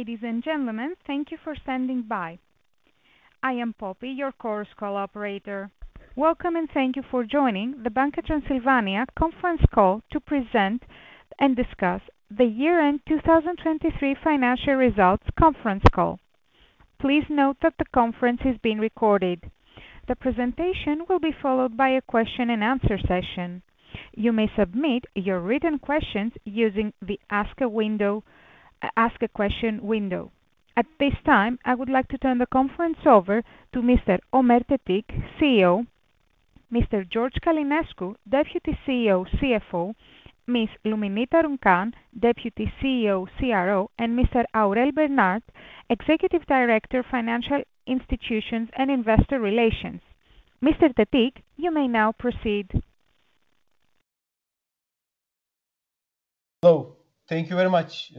Ladies and gentlemen, thank you for standing by. I am Poppy, your Conference Operator. Welcome, and thank you for joining the Banca Transilvania conference call to present and discuss the year-end 2023 financial results conference Call. Please note that the conference is being recorded. The presentation will be followed by a question-and-answer session. You may submit your written questions using the Ask-A-Question window. At this time, I would like to turn the conference over to Mr. Ömer Tetik, CEO; Mr. George Călinescu, Deputy CEO/CFO; Ms. Luminița Runcan, Deputy CEO/CRO; and Mr. Aurel Bernat, Executive Director, Financial Institutions and Investor Relations. Mr. Tetik, you may now proceed. Hello. Thank you very much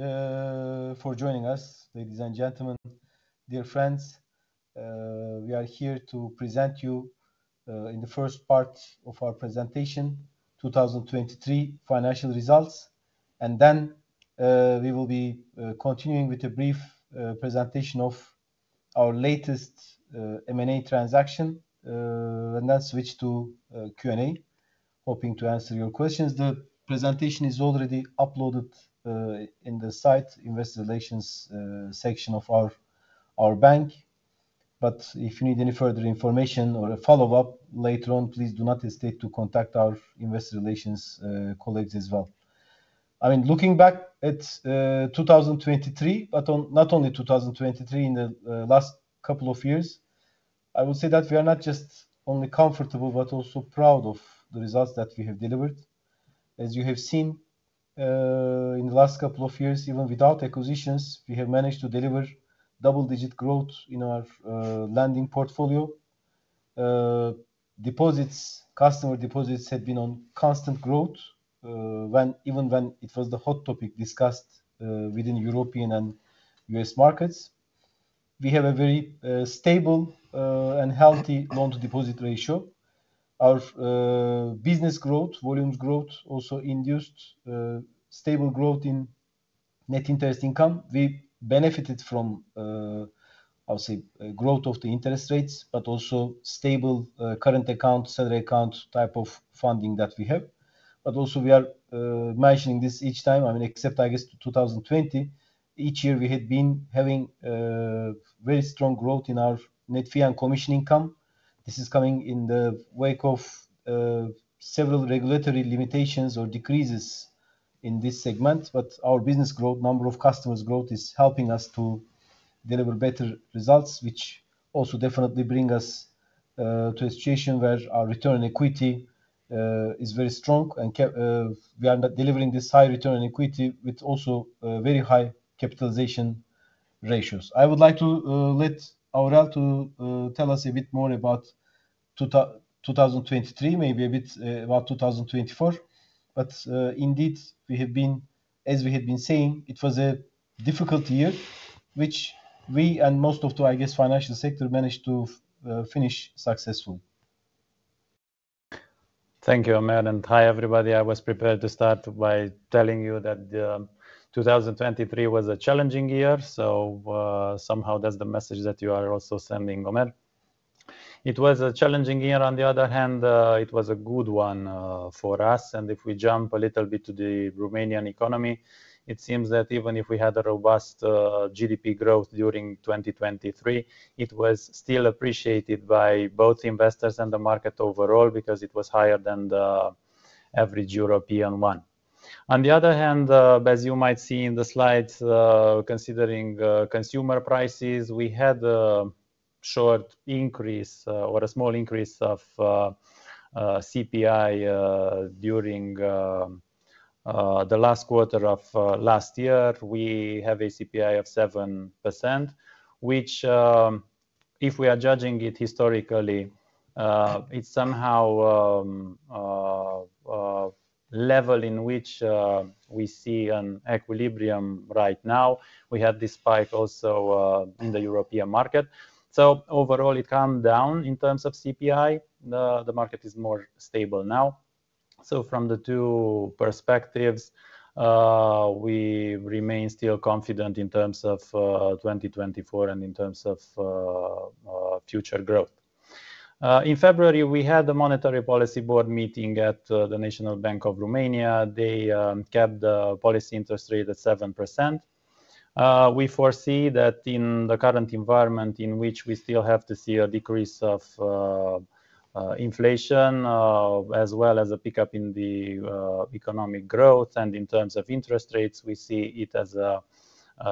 for joining us, ladies and gentlemen. Dear friends, we are here to present you, in the first part of our presentation, 2023 Financial Results, and then we will be continuing with a brief presentation of our latest M&A transaction, and then switch to Q&A, hoping to answer your questions. The presentation is already uploaded in the Investor Relations section of our bank, but if you need any further information or a follow-up later on, please do not hesitate to contact our Investor Relations colleagues as well. I mean, looking back at 2023, but not only 2023 in the last couple of years, I would say that we are not just only comfortable but also proud of the results that we have delivered. As you have seen, in the last couple of years, even without acquisitions, we have managed to deliver double-digit growth in our lending portfolio. Deposits, customer deposits, have been on constant growth, even when it was the hot topic discussed within European and U.S. markets. We have a very stable and healthy loan-to-deposit ratio. Our business growth, volume growth, also induced stable growth in net interest income. We benefited from, I would say, growth of the interest rates but also stable current account, salary account type of funding that we have. But also we are mentioning this each time, I mean, except, I guess, 2020. Each year we had been having very strong growth in our net fee and commission income. This is coming in the wake of several regulatory limitations or decreases in this segment, but our business growth, number of customers growth, is helping us to deliver better results, which also definitely bring us to a situation where our return on equity is very strong and we are not delivering this high return on equity with also very high capitalization ratios. I would like to let Aurel to tell us a bit more about 2023, maybe a bit about 2024, but indeed, we have been, as we had been saying, it was a difficult year, which we and most of the, I guess, financial sector managed to finish successfully. Thank you, Ömer. And hi everybody. I was prepared to start by telling you that, 2023 was a challenging year, so, somehow that's the message that you are also sending, Ömer. It was a challenging year. On the other hand, it was a good one, for us. And if we jump a little bit to the Romanian economy, it seems that even if we had a robust, GDP growth during 2023, it was still appreciated by both investors and the market overall because it was higher than, average European one. On the other hand, as you might see in the slides, considering, consumer prices, we had a short increase, or a small increase of, CPI, during, the last quarter of, last year. We have a CPI of 7%, which, if we are judging it historically, it's somehow, level in which, we see an equilibrium right now. We had this spike also in the European market. So overall, it calmed down in terms of CPI. The market is more stable now. So from the two perspectives, we remain still confident in terms of 2024 and in terms of future growth. In February, we had the Monetary Policy Board meeting at the National Bank of Romania. They kept the policy interest rate at 7%. We foresee that in the current environment in which we still have to see a decrease of inflation, as well as a pickup in the economic growth and in terms of interest rates, we see it as a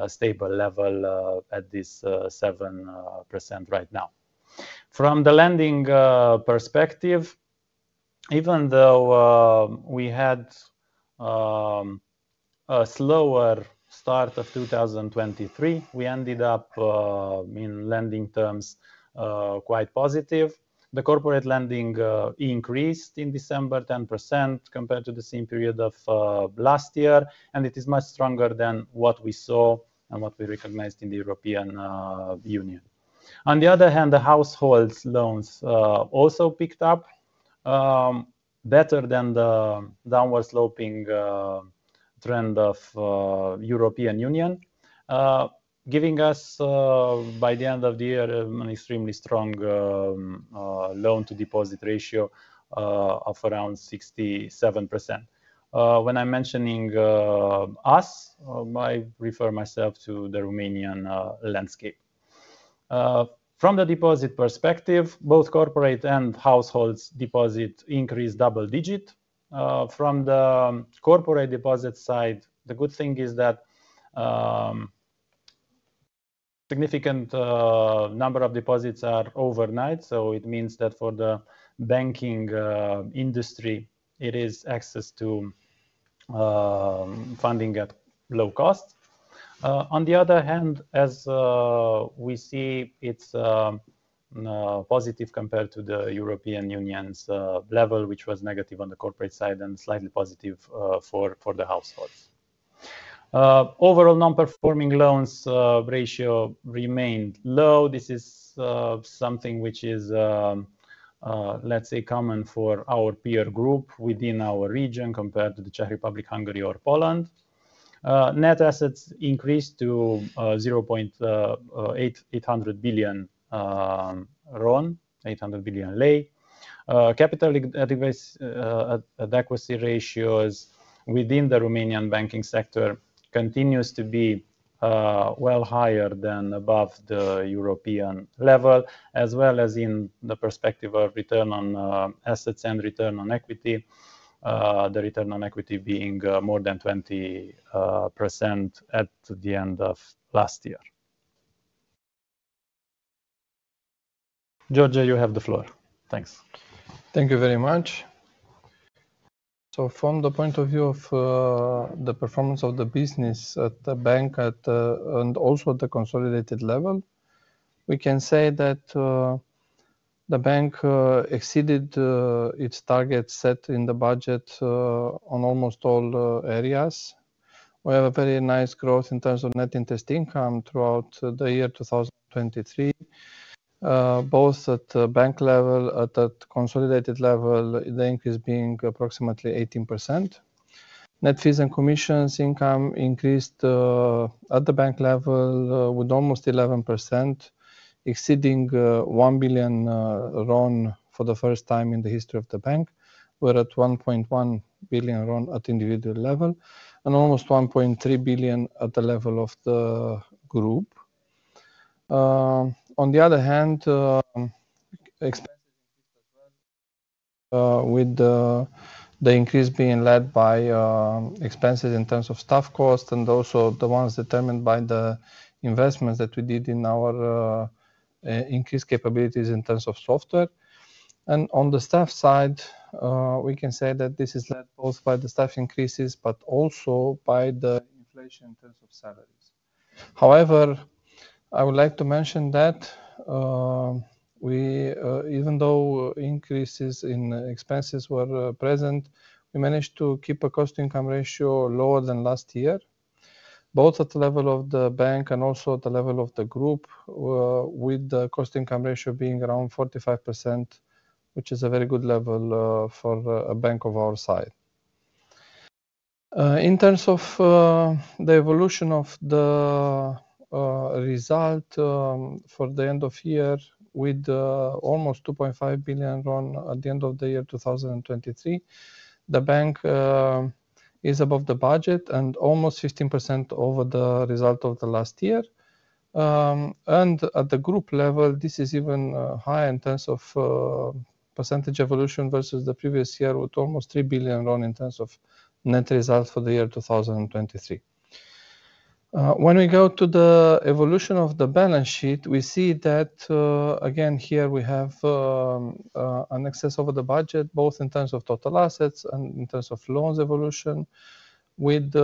stable level at this 7% right now. From the lending perspective, even though we had a slower start of 2023, we ended up in lending terms quite positive. The corporate lending increased in December 10% compared to the same period of last year, and it is much stronger than what we saw and what we recognized in the European Union. On the other hand, the households' loans also picked up better than the downward sloping trend of European Union, giving us by the end of the year an extremely strong loan-to-deposit ratio of around 67%. When I'm mentioning us, I refer myself to the Romanian landscape. From the deposit perspective, both corporate and households' deposit increased double-digit. From the corporate deposit side, the good thing is that significant number of deposits are overnight, so it means that for the banking industry it is access to funding at low cost. On the other hand, as we see, it's positive compared to the European Union's level, which was negative on the corporate side and slightly positive for the households. Overall non-performing loans ratio remained low. This is something which is, let's say, common for our peer group within our region compared to the Czech Republic, Hungary, or Poland. Net assets increased to RON 0.8 billion, 800 billion lei. Capital adequacy ratios within the Romanian banking sector continues to be well higher than above the European level, as well as in the perspective of return on assets and return on equity, the return on equity being more than 20% at the end of last year. George, you have the floor. Thanks. Thank you very much. So from the point of view of the performance of the business at the bank and also at the consolidated level, we can say that the bank exceeded its targets set in the budget on almost all areas. We have a very nice growth in terms of net interest income throughout the year 2023, both at the bank level and at the consolidated level, the increase being approximately 18%. Net fees and commissions income increased at the bank level with almost 11%, exceeding RON 1 billion for the first time in the history of the bank. We're at RON 1.1 billion at individual level and almost RON 1.3 billion at the level of the group. On the other hand, expenses increased as well, with the increase being led by expenses in terms of staff cost and also the ones determined by the investments that we did in our increased capabilities in terms of software. And on the staff side, we can say that this is led both by the staff increases but also by the inflation in terms of salaries. However, I would like to mention that we, even though increases in expenses were present, we managed to keep a cost-to-income ratio lower than last year, both at the level of the bank and also at the level of the group, with the cost-to-income ratio being around 45%, which is a very good level for a bank of our size. In terms of the evolution of the result for the end of year with almost RON 2.5 billion at the end of the year 2023, the bank is above the budget and almost 15% over the result of the last year. And at the group level, this is even higher in terms of percentage evolution versus the previous year with almost RON 3 billion in terms of net result for the year 2023. When we go to the evolution of the balance sheet, we see that, again, here we have an excess over the budget, both in terms of total assets and in terms of loans evolution. With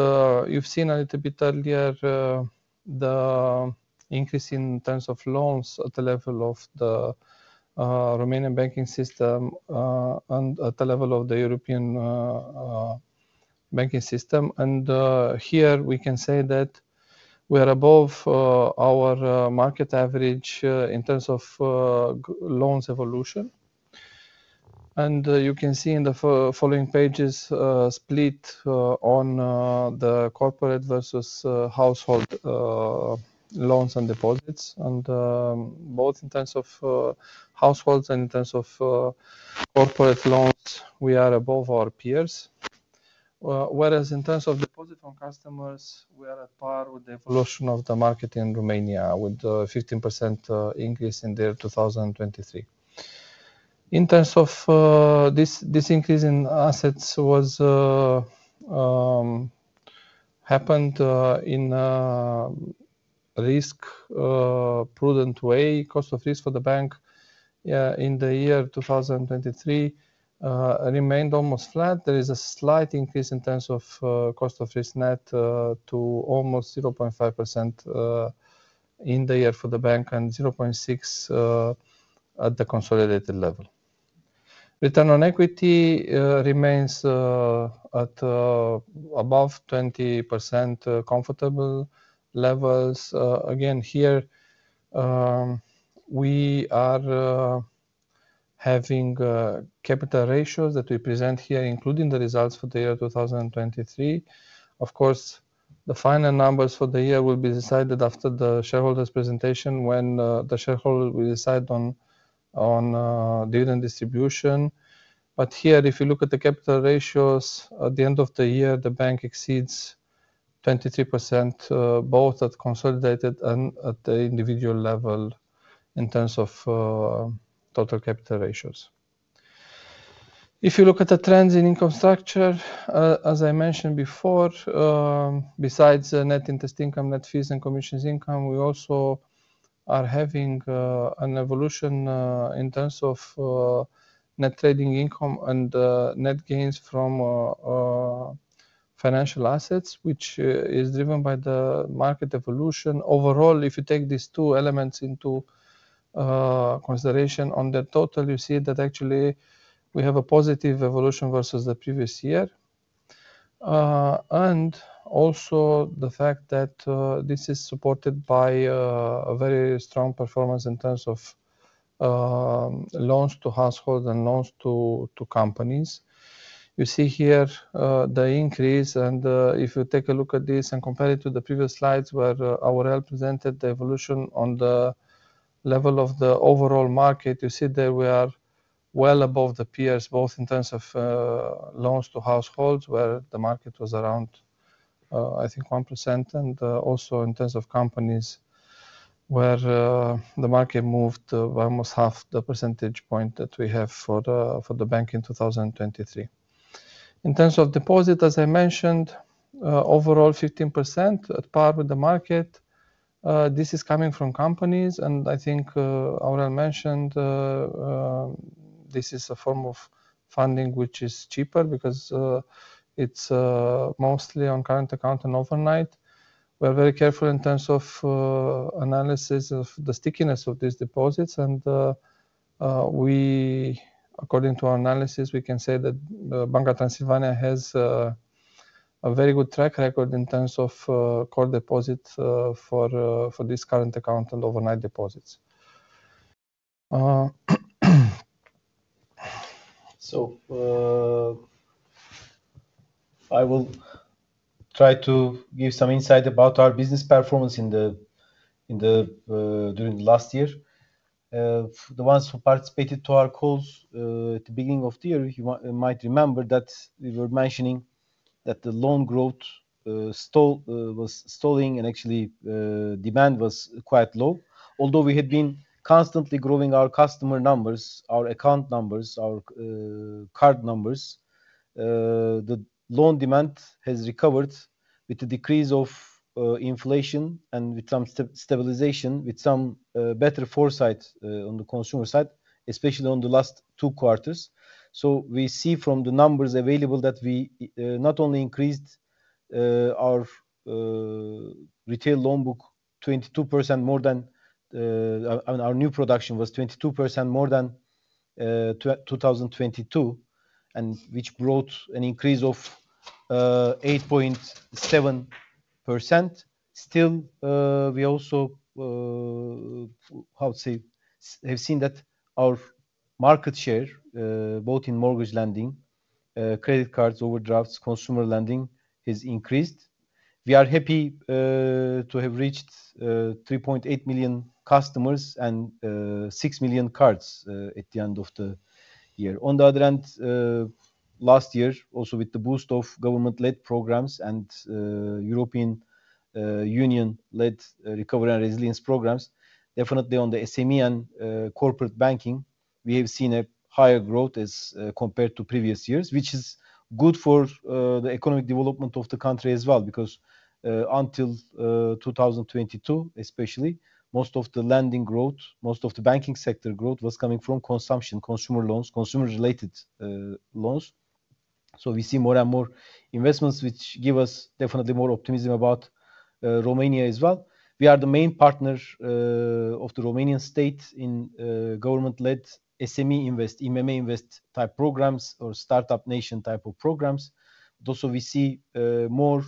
you've seen a little bit earlier, the increase in terms of loans at the level of the Romanian banking system, and at the level of the European banking system. Here we can say that we are above our market average in terms of loans evolution. You can see in the following pages, split on the corporate versus household loans and deposits. Both in terms of households and in terms of corporate loans, we are above our peers. Whereas in terms of deposit on customers, we are at par with the evolution of the market in Romania with a 15% increase in the year 2023. In terms of this this increase in assets was happened in a risk prudent way. Cost of risk for the bank in the year 2023 remained almost flat. There is a slight increase in terms of cost of risk net to almost 0.5% in the year for the bank and 0.6% at the consolidated level. Return on equity remains at above 20% comfortable levels. Again, here we are having capital ratios that we present here, including the results for the year 2023. Of course, the final numbers for the year will be decided after the shareholders' presentation when the shareholder will decide on dividend distribution. But here, if you look at the capital ratios at the end of the year, the bank exceeds 23%, both at consolidated and at the individual level in terms of total capital ratios. If you look at the trends in income structure, as I mentioned before, besides net interest income, net fees, and commissions income, we also are having an evolution in terms of net trading income and net gains from financial assets, which is driven by the market evolution. Overall, if you take these two elements into consideration on the total, you see that actually we have a positive evolution versus the previous year. And also the fact that this is supported by a very strong performance in terms of loans to households and loans to companies. You see here the increase. If you take a look at this and compare it to the previous slides where Aurel presented the evolution on the level of the overall market, you see that we are well above the peers, both in terms of loans to households, where the market was around, I think, 1%, and also in terms of companies, where the market moved by almost half the percentage point that we have for the bank in 2023. In terms of deposit, as I mentioned, overall 15% at par with the market. This is coming from companies. I think Aurel mentioned this is a form of funding which is cheaper because it's mostly on current account and overnight. We are very careful in terms of analysis of the stickiness of these deposits. And we, according to our analysis, we can say that Banca Transilvania has a very good track record in terms of core deposit for these current account and overnight deposits. So I will try to give some insight about our business performance in the during the last year. The ones who participated to our calls, at the beginning of the year, you might remember that we were mentioning that the loan growth was stalling and actually demand was quite low. Although we had been constantly growing our customer numbers, our account numbers, our card numbers, the loan demand has recovered with a decrease of inflation and with some stabilization, with some better foresight on the consumer side, especially on the last two quarters. So we see from the numbers available that we not only increased our retail loan book 22% more than, I mean, our new production was 22% more than 2022, and which brought an increase of 8.7%. Still, we also, how to say, have seen that our market share both in mortgage lending, credit cards, overdrafts, consumer lending has increased. We are happy to have reached 3.8 million customers and 6 million cards at the end of the year. On the other hand, last year, also with the boost of government-led programs and European Union-led recovery and resilience programs, definitely on the SME and corporate banking, we have seen a higher growth as compared to previous years, which is good for the economic development of the country as well because until 2022 especially, most of the lending growth, most of the banking sector growth was coming from consumption, consumer loans, consumer-related loans. So we see more and more investments which give us definitely more optimism about Romania as well. We are the main partner of the Romanian state in government-led SME Invest, IMM Invest type programs or Startup Nation type of programs. Also, we see more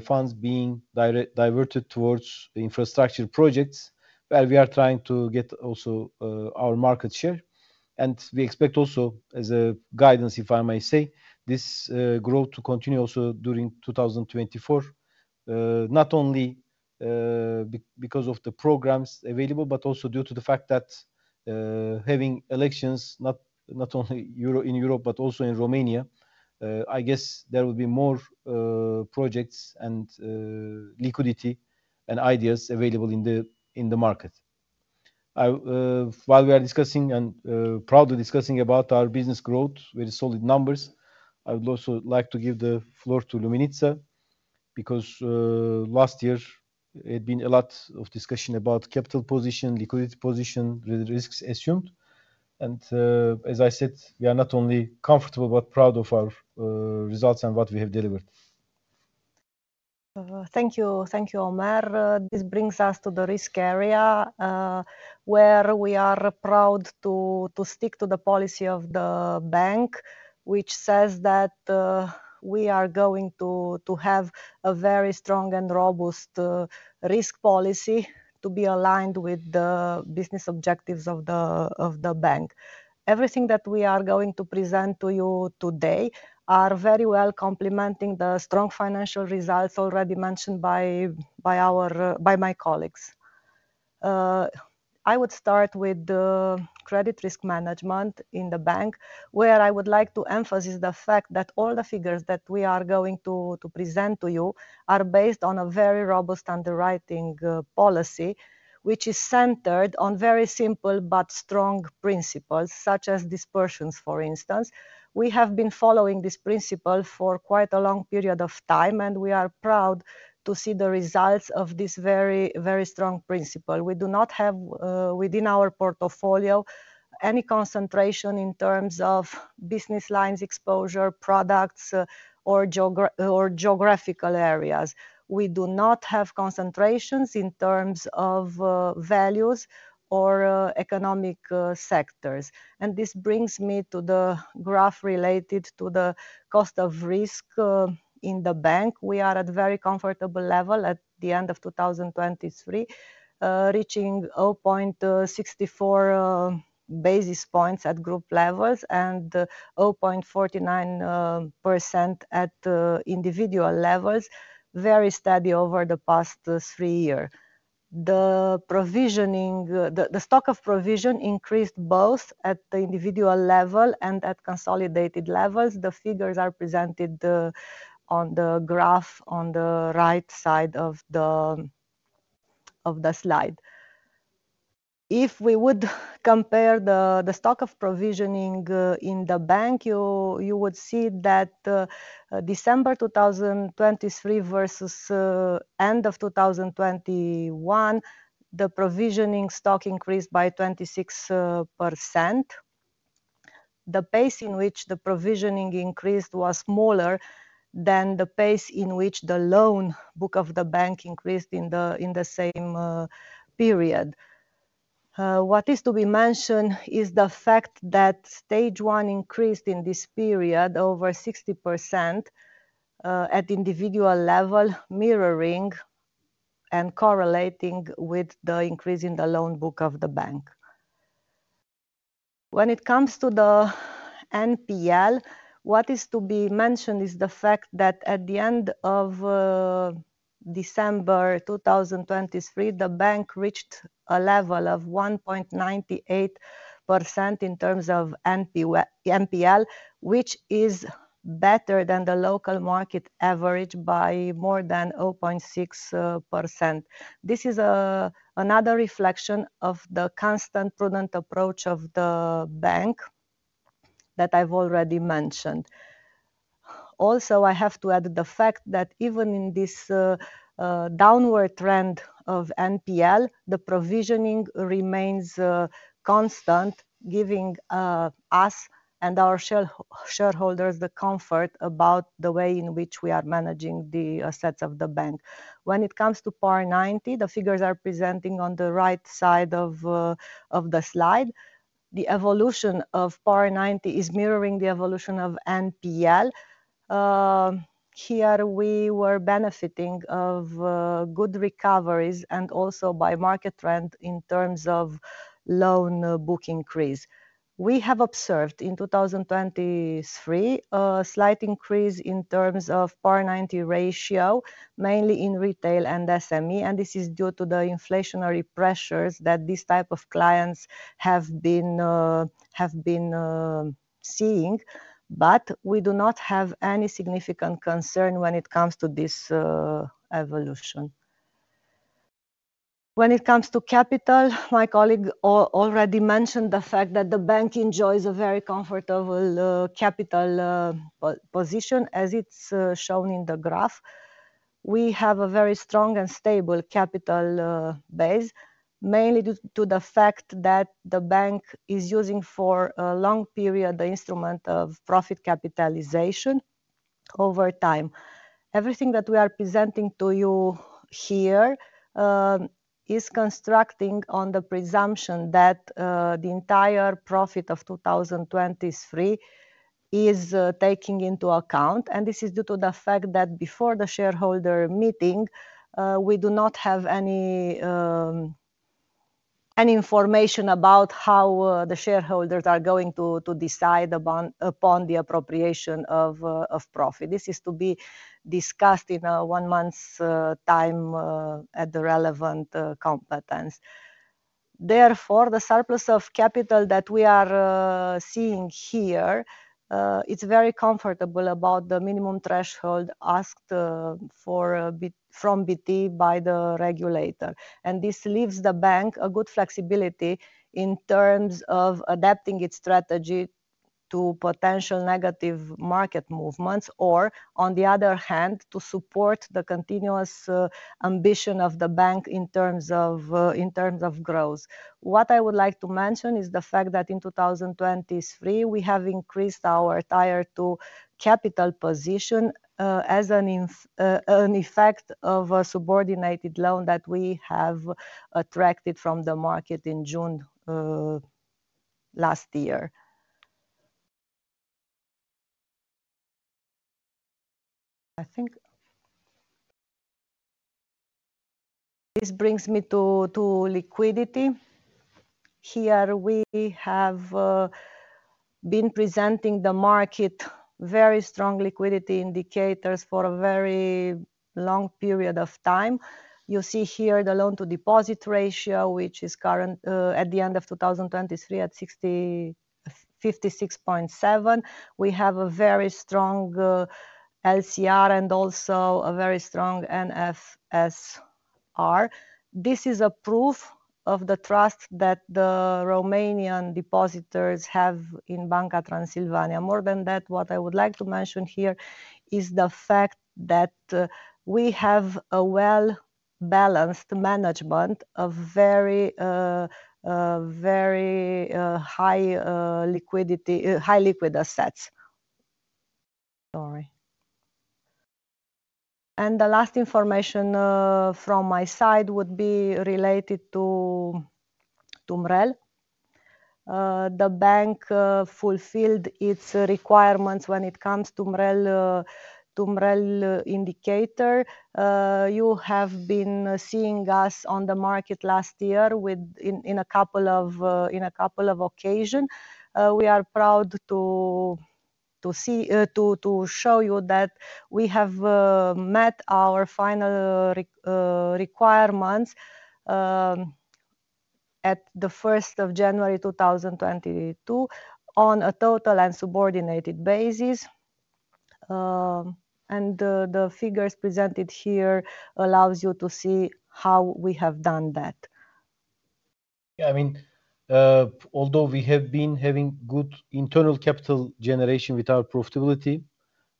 funds being directly diverted towards infrastructure projects where we are trying to get also our market share. We expect also, as a guidance, if I may say, this growth to continue also during 2024, not only because of the programs available but also due to the fact that, having elections not only in Europe but also in Romania, I guess there will be more projects and liquidity and ideas available in the market. While we are discussing and proudly discussing about our business growth, very solid numbers, I would also like to give the floor to Luminița because last year it had been a lot of discussion about capital position, liquidity position, risks assumed. As I said, we are not only comfortable but proud of our results and what we have delivered. Thank you. Thank you, Ömer. This brings us to the risk area, where we are proud to stick to the policy of the bank, which says that we are going to have a very strong and robust risk policy to be aligned with the business objectives of the bank. Everything that we are going to present to you today are very well complementing the strong financial results already mentioned by my colleagues. I would start with credit risk management in the bank, where I would like to emphasize the fact that all the figures that we are going to present to you are based on a very robust underwriting policy, which is centered on very simple but strong principles, such as diversification, for instance. We have been following this principle for quite a long period of time, and we are proud to see the results of this very, very strong principle. We do not have, within our portfolio, any concentration in terms of business lines exposure, products, or geographical areas. We do not have concentrations in terms of values or economic sectors. And this brings me to the graph related to the cost of risk in the bank. We are at a very comfortable level at the end of 2023, reaching 0.64 basis points at group levels and 0.49% at individual levels, very steady over the past three years. The provisioning, the stock of provision, increased both at the individual level and at consolidated levels. The figures are presented on the graph on the right side of the slide. If we would compare the stock of provisioning in the bank, you would see that December 2023 versus end of 2021, the provisioning stock increased by 26%. The pace in which the provisioning increased was smaller than the pace in which the loan book of the bank increased in the same period. What is to be mentioned is the fact that stage one increased in this period over 60%, at individual level, mirroring and correlating with the increase in the loan book of the bank. When it comes to the NPL, what is to be mentioned is the fact that at the end of December 2023, the bank reached a level of 1.98% in terms of NPL, which is better than the local market average by more than 0.6%. This is another reflection of the constant prudent approach of the bank that I've already mentioned. Also, I have to add the fact that even in this downward trend of NPL, the provisioning remains constant, giving us and our shareholders the comfort about the way in which we are managing the assets of the bank. When it comes to PAR90, the figures are presenting on the right side of the slide. The evolution of PAR90 is mirroring the evolution of NPL. Here, we were benefiting of good recoveries and also by market trend in terms of loan book increase. We have observed in 2023 a slight increase in terms of PAR90 ratio, mainly in retail and SME. And this is due to the inflationary pressures that these type of clients have been seeing. But we do not have any significant concern when it comes to this evolution. When it comes to capital, my colleague already mentioned the fact that the bank enjoys a very comfortable capital position as it's shown in the graph. We have a very strong and stable capital base, mainly due to the fact that the bank is using for a long period the instrument of profit capitalization over time. Everything that we are presenting to you here is constructing on the presumption that the entire profit of 2023 is taken into account. And this is due to the fact that before the shareholder meeting, we do not have any information about how the shareholders are going to decide upon the appropriation of profit. This is to be discussed in a one-month's time, at the relevant competence. Therefore, the surplus of capital that we are seeing here, it's very comfortable about the minimum threshold asked for from BT by the regulator. And this leaves the bank a good flexibility in terms of adapting its strategy to potential negative market movements or, on the other hand, to support the continuous ambition of the bank in terms of, in terms of growth. What I would like to mention is the fact that in 2023, we have increased our Tier 2 capital position, as an effect of a subordinated loan that we have attracted from the market in June last year. I think this brings me to liquidity. Here, we have been presenting the market very strong liquidity indicators for a very long period of time. You see here the loan-to-deposit ratio, which is currently at the end of 2023 at 56.7. We have a very strong LCR and also a very strong NSFR. This is a proof of the trust that the Romanian depositors have in Banca Transilvania. More than that, what I would like to mention here is the fact that we have a well-balanced management of very, very high liquidity, high liquid assets. Sorry. And the last information from my side would be related to MREL. The bank fulfilled its requirements when it comes to MREL indicator. You have been seeing us on the market last year with a couple of occasions. We are proud to show you that we have met our final requirements at the 1st of January 2022 on a total and subordinated basis. And the figures presented here allow you to see how we have done that. Yeah. I mean, although we have been having good internal capital generation with our profitability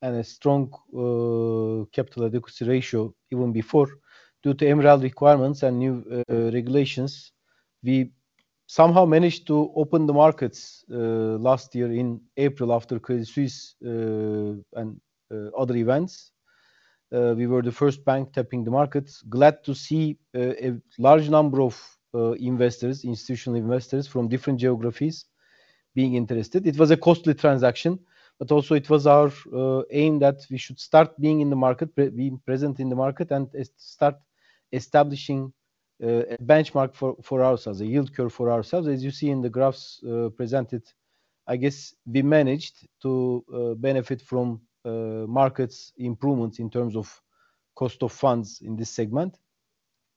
and a strong capital adequacy ratio even before, due to MREL requirements and new regulations, we somehow managed to open the markets last year in April after Credit Suisse and other events. We were the first bank tapping the markets. Glad to see a large number of investors, institutional investors from different geographies, being interested. It was a costly transaction, but also it was our aim that we should start being in the market, being present in the market, and start establishing a benchmark for ourselves, a yield curve for ourselves. As you see in the graphs presented, I guess we managed to benefit from markets' improvements in terms of cost of funds in this segment.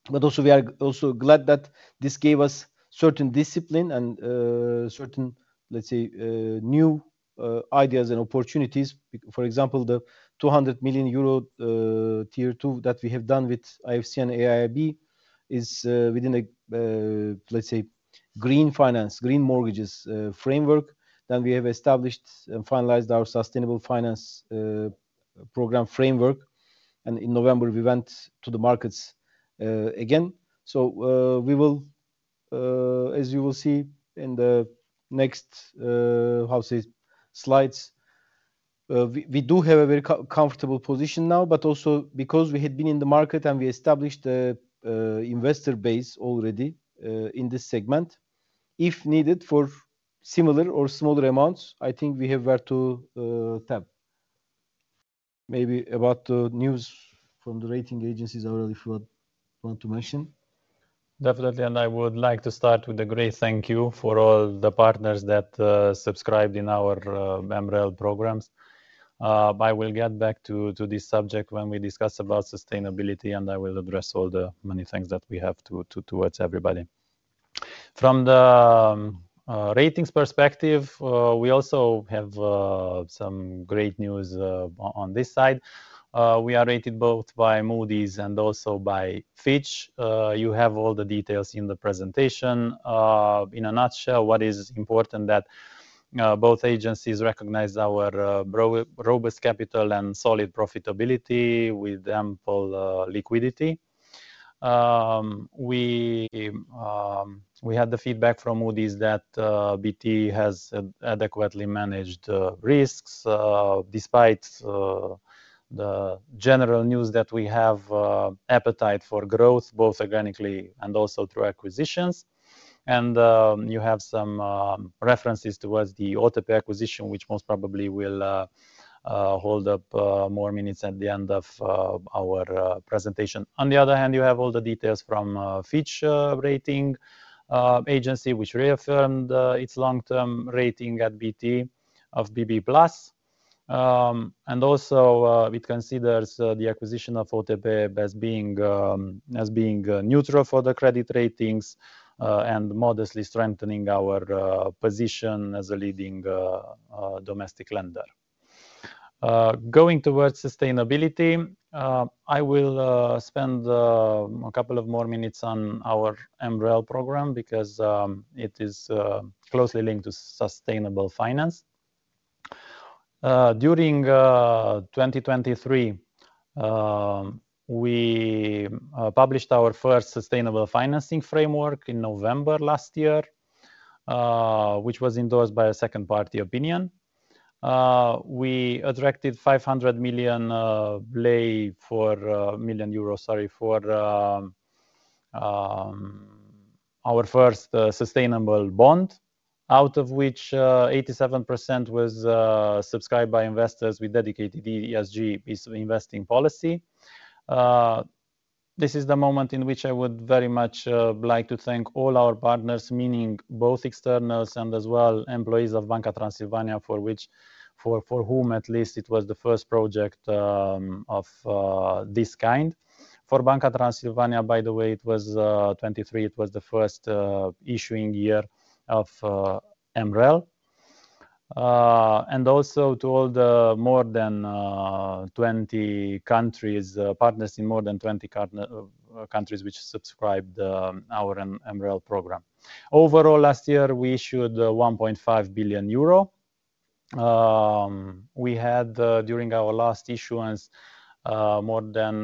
But also, we are also glad that this gave us certain discipline and certain, let's say, new ideas and opportunities. For example, the 200 million euro Tier 2 that we have done with IFC and AIIB is within a, let's say, green finance, Green Mortgages Framework. Then we have established and finalized our Sustainable Finance Program Framework. And in November, we went to the markets again. So we will, as you will see in the next, how to say, slides, we do have a very comfortable position now. But also, because we had been in the market and we established the investor base already in this segment, if needed for similar or smaller amounts, I think we have where to tap. Maybe about the news from the rating agencies, Aurel, if you want to mention. Definitely. I would like to start with a great thank you for all the partners that subscribed in our MREL programs. I will get back to this subject when we discuss about sustainability, and I will address all the many things that we have towards everybody. From the ratings perspective, we also have some great news on this side. We are rated both by Moody's and also by Fitch. You have all the details in the presentation. In a nutshell, what is important is that both agencies recognize our robust capital and solid profitability with ample liquidity. We had the feedback from Moody's that BT has adequately managed risks despite the general news that we have appetite for growth, both organically and also through acquisitions. You have some references towards the OTP acquisition, which most probably will hold up more minutes at the end of our presentation. On the other hand, you have all the details from Fitch Ratings, which reaffirmed its long-term rating at BT of BB Plus. Also, it considers the acquisition of OTP as being neutral for the credit ratings and modestly strengthening our position as a leading domestic lender. Going toward sustainability, I will spend a couple of more minutes on our MREL program because it is closely linked to sustainable finance. During 2023, we published our first sustainable financing framework in November last year, which was endorsed by a second-party opinion. We attracted 500 million for million euros, sorry, for our first sustainable bond, out of which 87% was subscribed by investors with dedicated ESG investing policy. This is the moment in which I would very much like to thank all our partners, meaning both externals and as well employees of Banca Transilvania, for which, for whom at least, it was the first project of this kind. For Banca Transilvania, by the way, it was 2023. It was the first issuing year of MREL. And also to all the more than 20 countries, partners in more than 20 countries which subscribed our MREL program. Overall, last year, we issued 1.5 billion euro. We had, during our last issuance, more than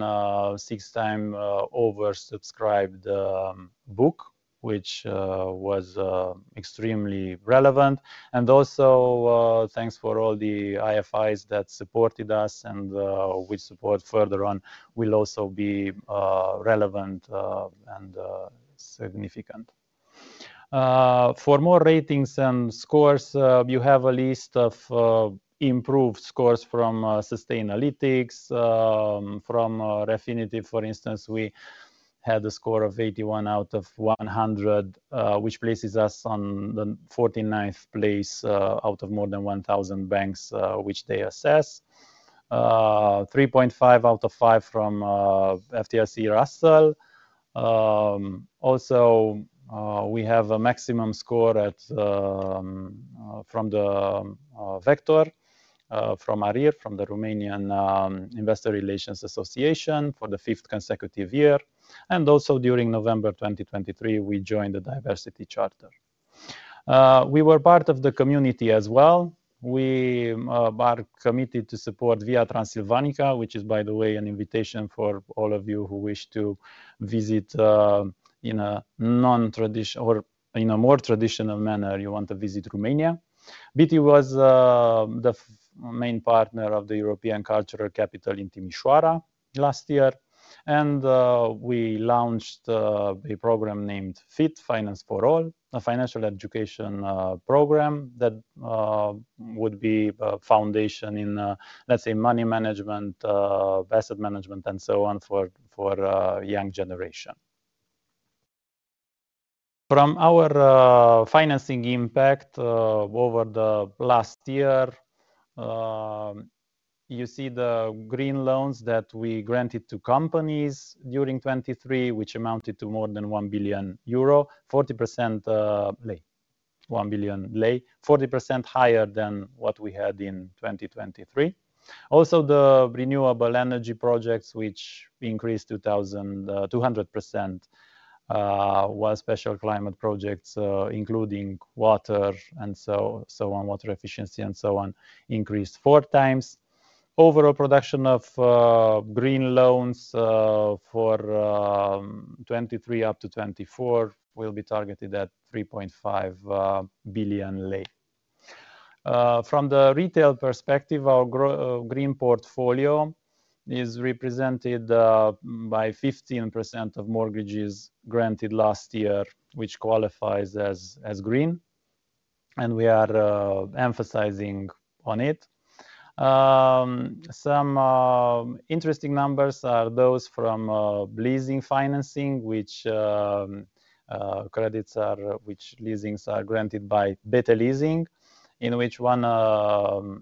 six-time-oversubscribed book, which was extremely relevant. And also, thanks for all the IFIs that supported us and which support further on will also be relevant and significant. For more ratings and scores, you have a list of improved scores from Sustainalytics. From Refinitiv, for instance, we had a score of 81 out of 100, which places us on the 49th place out of more than 1,000 banks which they assess. 3.5 out of five from FTSE Russell. Also, we have a maximum score from the sector from ARIR, from the Romanian Investor Relations Association, for the fifth consecutive year. And also, during November 2023, we joined the Diversity Charter. We were part of the community as well. We are committed to support Via Transilvanica, which is, by the way, an invitation for all of you who wish to visit in a non-traditional or in a more traditional manner, you want to visit Romania. BT was the main partner of the European Capital of Culture in Timișoara last year. We launched a program named FIT, Finance for All, a financial education program that would be a foundation in, let's say, money management, asset management, and so on for young generation. From our financing impact over the last year, you see the Green loans that we granted to companies during 2023, which amounted to more than RON 1 billion, 40% higher than what we had in 2023. Also, the renewable energy projects, which increased 200%, while special climate projects, including water and so on, water efficiency and so on, increased four times. Overall production of Green loans for 2023 up to 2024 will be targeted at RON 3.5 billion. From the retail perspective, our green portfolio is represented by 15% of mortgages granted last year, which qualifies as green. And we are emphasizing on it. Some interesting numbers are those from leasing financing, which credits are, which leasings are granted by BT Leasing, in which one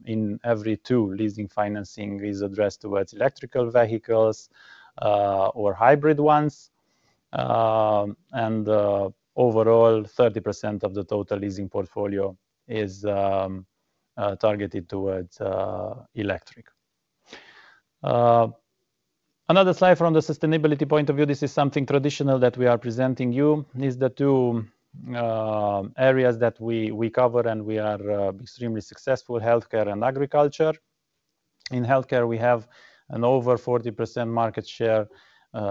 in every two leasing financing is addressed towards electric vehicles or hybrid ones. And overall, 30% of the total leasing portfolio is targeted towards electric. Another slide from the sustainability point of view, this is something traditional that we are presenting you, is the two areas that we cover and we are extremely successful: healthcare and agriculture. In healthcare, we have an over 40% market share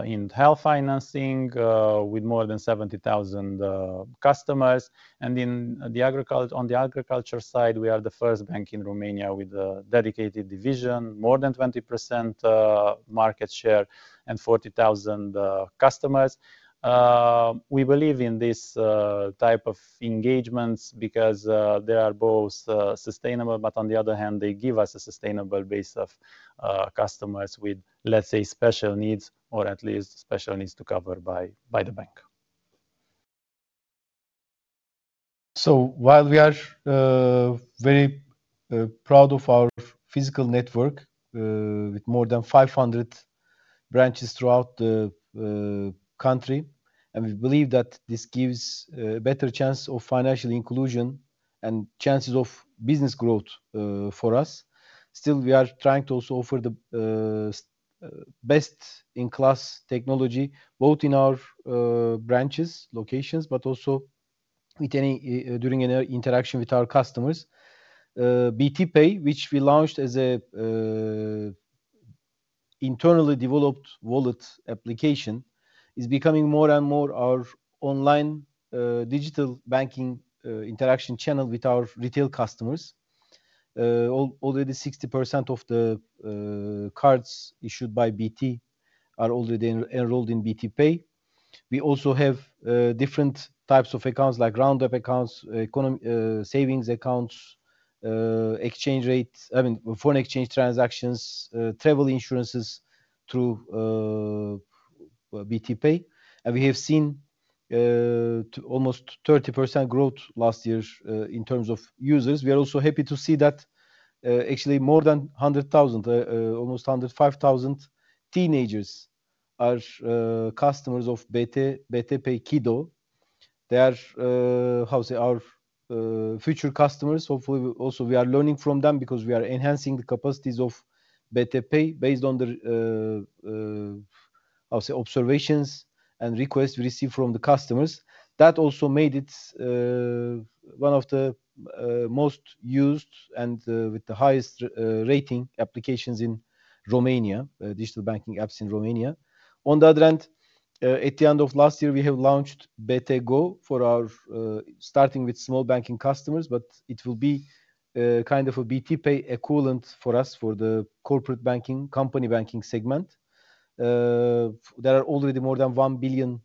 in health financing with more than 70,000 customers. And in the agriculture, on the agriculture side, we are the first bank in Romania with a dedicated division, more than 20% market share and 40,000 customers. We believe in this type of engagements because they are both sustainable, but on the other hand, they give us a sustainable base of customers with, let's say, special needs or at least special needs to cover by the bank. So while we are very proud of our physical network with more than 500 branches throughout the country, and we believe that this gives a better chance of financial inclusion and chances of business growth for us, still we are trying to also offer the best-in-class technology both in our branches, locations, but also during any interaction with our customers. BT Pay, which we launched as an internally developed wallet application, is becoming more and more our online digital banking interaction channel with our retail customers. Already 60% of the cards issued by BT are already enrolled in BT Pay. We also have different types of accounts like roundup accounts, savings accounts, exchange rate, I mean, foreign exchange transactions, travel insurances through BT Pay. We have seen almost 30% growth last year in terms of users. We are also happy to see that actually more than 100,000, almost 105,000 teenagers are customers of BT Pay Kiddo. They are, how to say, our future customers. Hopefully, also we are learning from them because we are enhancing the capacities of BT Pay based on the, how to say, observations and requests we receive from the customers. That also made it one of the most used and with the highest rating applications in Romania, digital banking apps in Romania. On the other hand, at the end of last year, we have launched BT Go for our starting with small banking customers, but it will be kind of a BT Pay equivalent for us for the corporate banking, company banking segment. There are already more than RON 1 billion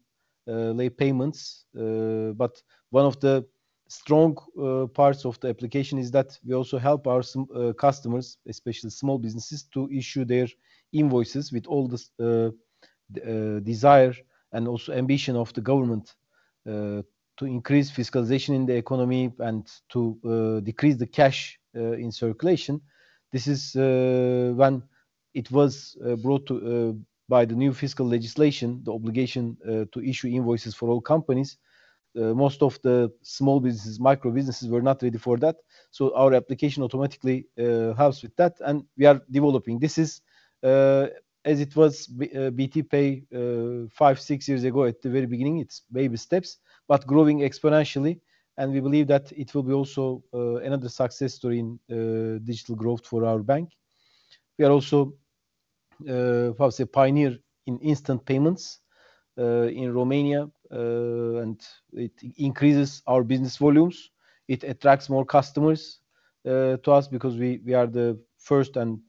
lei payments. But one of the strong parts of the application is that we also help our customers, especially small businesses, to issue their invoices with all the desire and also ambition of the government to increase fiscalization in the economy and to decrease the cash in circulation. This is when it was brought to by the new fiscal legislation, the obligation to issue invoices for all companies. Most of the small businesses, micro businesses, were not ready for that. So our application automatically helps with that, and we are developing. This is as it was BT Pay five, six years ago at the very beginning. It's baby steps, but growing exponentially. And we believe that it will be also another success story in digital growth for our bank. We are also, how to say, pioneer in instant payments in Romania, and it increases our business volumes. It attracts more customers to us because we are the first and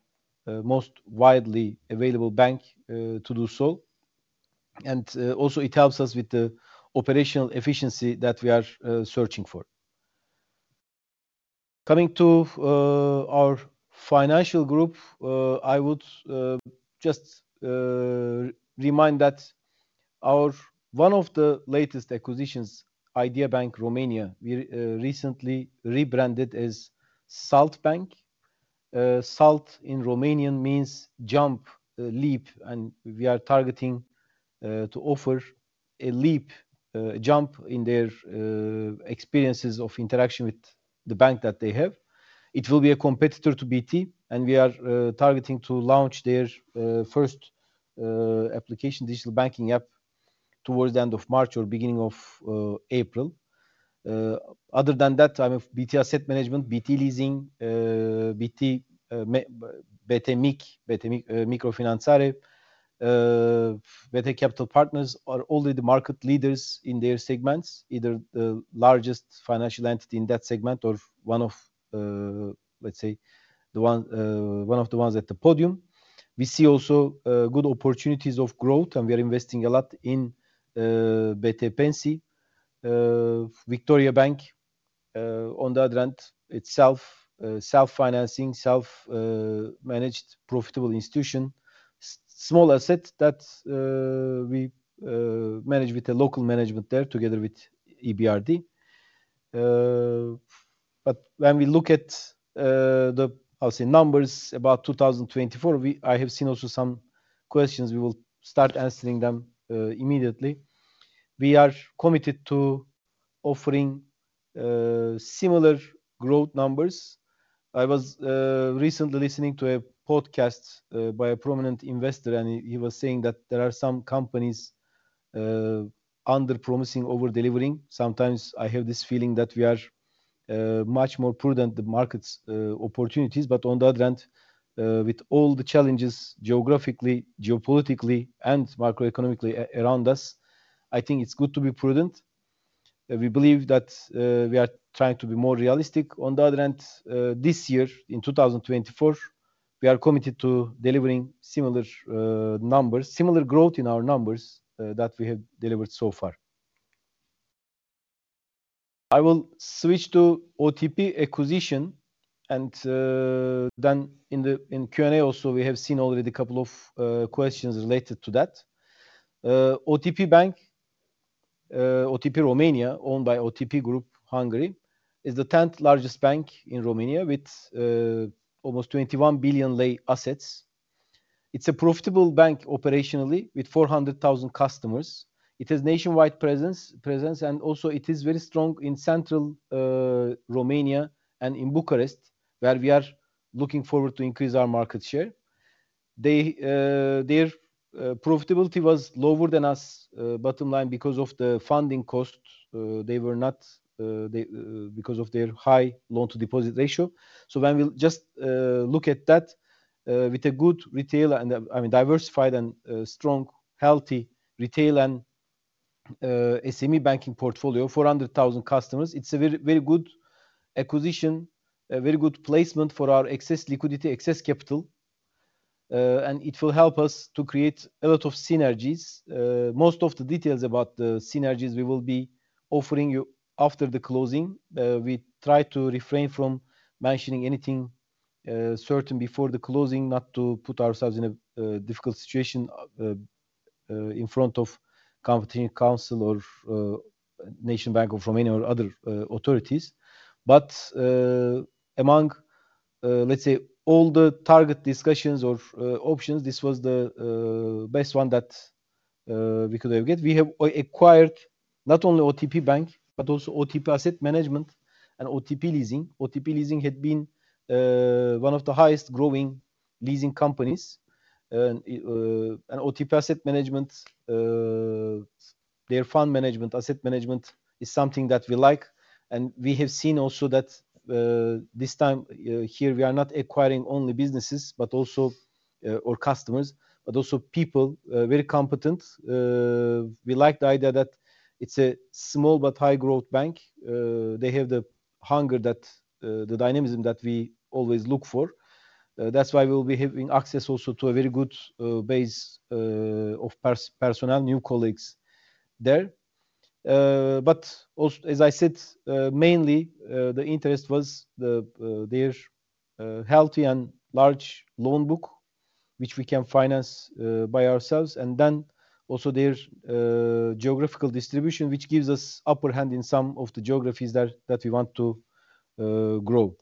most widely available bank to do so. And also, it helps us with the operational efficiency that we are searching for. Coming to our financial group, I would just remind that one of the latest acquisitions, Idea::Bank Romania, we recently rebranded as Salt Bank. Salt in Romanian means jump, leap, and we are targeting to offer a leap, jump in their experiences of interaction with the bank that they have. It will be a competitor to BT, and we are targeting to launch their first application, digital banking app, towards the end of March or beginning of April. Other than that, I mean, BT Asset Management, BT Leasing, BT Microfinanțare, BT Capital Partners are already market leaders in their segments, either the largest financial entity in that segment or one of, let's say, one of the ones at the podium. We see also good opportunities of growth, and we are investing a lot in BT Pensii, Victoriabank. On the other hand, itself, self-financing, self-managed, profitable institution, small asset that we manage with a local management there together with EBRD. But when we look at the, how to say, numbers about 2024, I have seen also some questions. We will start answering them immediately. We are committed to offering similar growth numbers. I was recently listening to a podcast by a prominent investor, and he was saying that there are some companies under-promising over-delivering. Sometimes I have this feeling that we are much more prudent, the market opportunities. But on the other hand, with all the challenges geographically, geopolitically, and macroeconomically around us, I think it's good to be prudent. We believe that we are trying to be more realistic. On the other hand, this year, in 2024, we are committed to delivering similar numbers, similar growth in our numbers that we have delivered so far. I will switch to OTP acquisition. And then in Q&A also, we have seen already a couple of questions related to that. OTP Bank, OTP Romania, owned by OTP Group Hungary, is the 10th largest bank in Romania with almost 21 billion assets. It's a profitable bank operationally with 400,000 customers. It has nationwide presence, and also it is very strong in central Romania and in Bucharest, where we are looking forward to increase our market share. Their profitability was lower than us bottom line because of the funding cost. They were not because of their high loan-to-deposit ratio. So when we just look at that with a good retail and, I mean, diversified and strong, healthy retail and SME banking portfolio, 400,000 customers, it's a very good acquisition, very good placement for our excess liquidity, excess capital. And it will help us to create a lot of synergies. Most of the details about the synergies we will be offering you after the closing. We try to refrain from mentioning anything certain before the closing, not to put ourselves in a difficult situation in front of Competition Council or National Bank of Romania or other authorities. But among, let's say, all the target discussions or options, this was the best one that we could have get. We have acquired not only OTP Bank, but also OTP Asset Management and OTP Leasing. OTP Leasing had been one of the highest-growing leasing companies. OTP Asset Management, their fund management, asset management is something that we like. We have seen also that this time here, we are not acquiring only businesses or customers, but also people, very competent. We like the idea that it's a small but high-growth bank. They have the hunger, the dynamism that we always look for. That's why we will be having access also to a very good base of personnel, new colleagues there. But also, as I said, mainly the interest was their healthy and large loan book, which we can finance by ourselves. Then also their geographical distribution, which gives us upper hand in some of the geographies that we want to grow.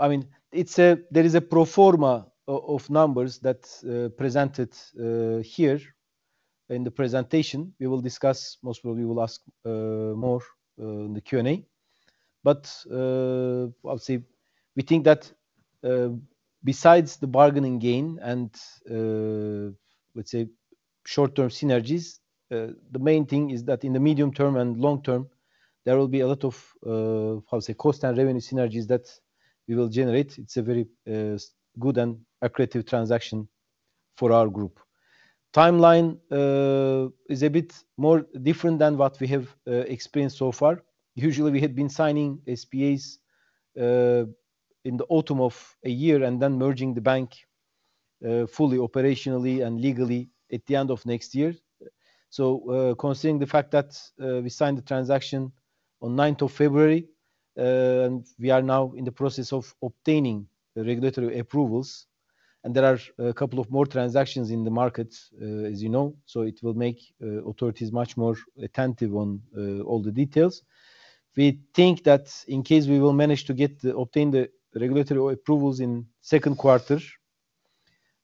I mean, there is a pro forma of numbers that presented here in the presentation. We will discuss. Most probably, we will ask more in the Q&A. But I would say we think that besides the bargaining gain and, let's say, short-term synergies, the main thing is that in the medium term and long term, there will be a lot of, how to say, cost and revenue synergies that we will generate. It's a very good and accretive transaction for our group. Timeline is a bit more different than what we have experienced so far. Usually, we had been signing SPAs in the autumn of a year and then merging the bank fully operationally and legally at the end of next year. So considering the fact that we signed the transaction on 9th of February, and we are now in the process of obtaining regulatory approvals. And there are a couple of more transactions in the market, as you know. So it will make authorities much more attentive on all the details. We think that in case we will manage to obtain the regulatory approvals in the second quarter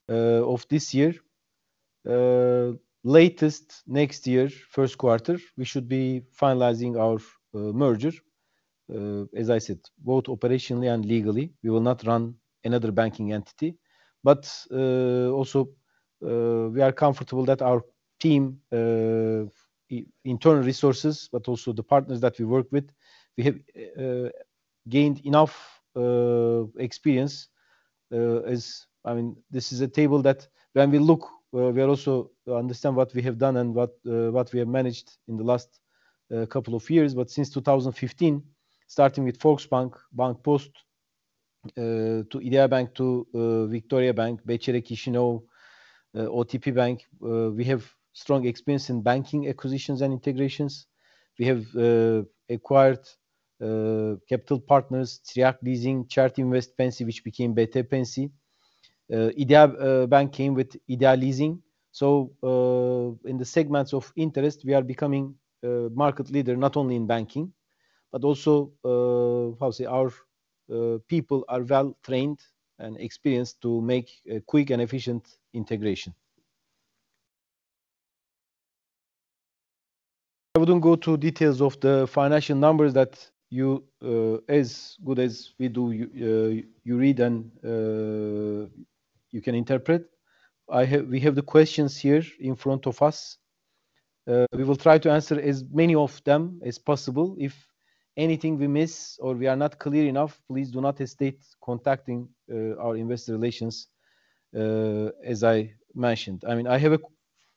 of this year, latest next year, first quarter, we should be finalizing our merger. As I said, both operationally and legally, we will not run another banking entity. But also, we are comfortable that our team, internal resources, but also the partners that we work with, we have gained enough experience. I mean, this is a table that when we look, we also understand what we have done and what we have managed in the last couple of years. But since 2015, starting with Volksbank, Bancpost, to Idea::Bank, to Victoriabank, BCR Chișinău, OTP Bank, we have strong experience in banking acquisitions and integrations. We have acquired Capital Partners, Țiriac Leasing, Certinvest Pensii, which became BT Pensii. Idea::Bank came with Idea::Leasing. So in the segments of interest, we are becoming a market leader not only in banking, but also, how to say, our people are well-trained and experienced to make a quick and efficient integration. I wouldn't go to details of the financial numbers that you, as good as we do, you read and you can interpret. We have the questions here in front of us. We will try to answer as many of them as possible. If anything we miss or we are not clear enough, please do not hesitate contacting our investor relations, as I mentioned. I mean, I have a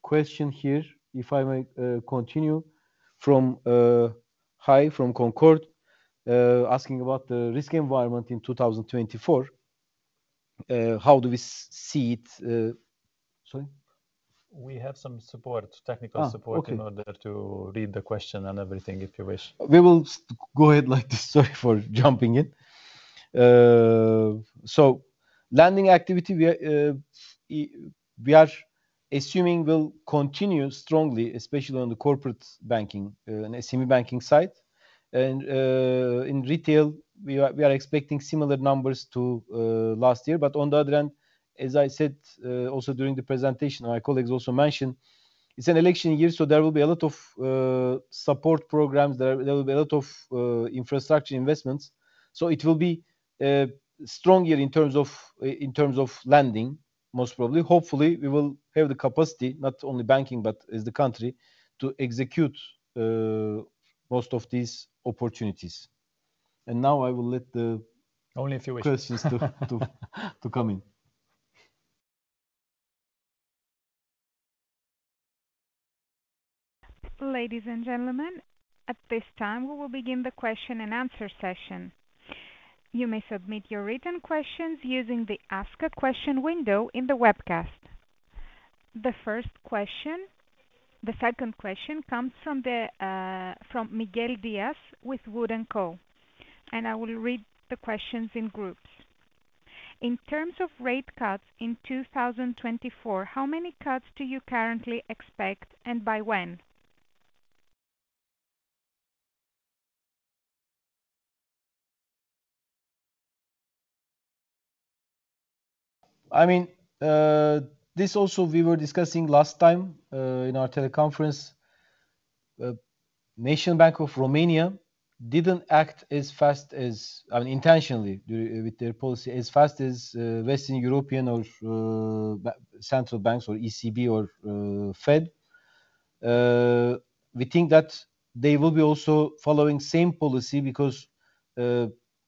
question here, if I may continue, from Hai from Concorde, asking about the risk environment in 2024. How do we see it? Sorry? We have some support, technical support, in order to read the question and everything, if you wish. We will go ahead like this. Sorry for jumping in. So lending activity, we are assuming will continue strongly, especially on the corporate banking and SME banking side. And in retail, we are expecting similar numbers to last year. But on the other hand, as I said also during the presentation, my colleagues also mentioned, it's an election year, so there will be a lot of support programs. There will be a lot of infrastructure investments. So it will be a strong year in terms of lending, most probably. Hopefully, we will have the capacity, not only banking, but as the country, to execute most of these opportunities. And now I will let the next few questions come in. Ladies and gentlemen, at this time, we will begin the question and answer session. You may submit your written questions using the Ask a Question window in the webcast. The second question comes from Miguel Dias with Wood & Co. I will read the questions in groups. In terms of rate cuts in 2024, how many cuts do you currently expect and by when? I mean, this also we were discussing last time in our teleconference. National Bank of Romania didn't act as fast as, I mean, intentionally with their policy, as fast as Western European or central banks or ECB or Fed. We think that they will be also following the same policy because,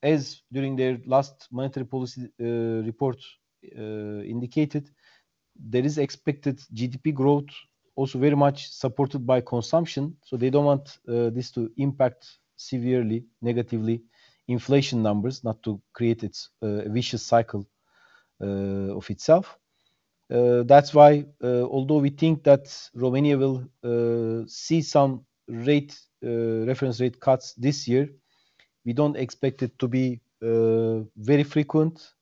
as during their last Monetary Policy Report indicated, there is expected GDP growth also very much supported by consumption. They don't want this to impact severely, negatively, inflation numbers, not to create a vicious cycle of itself. That's why, although we think that Romania will see some reference rate cuts this year, we don't expect it to be very frequent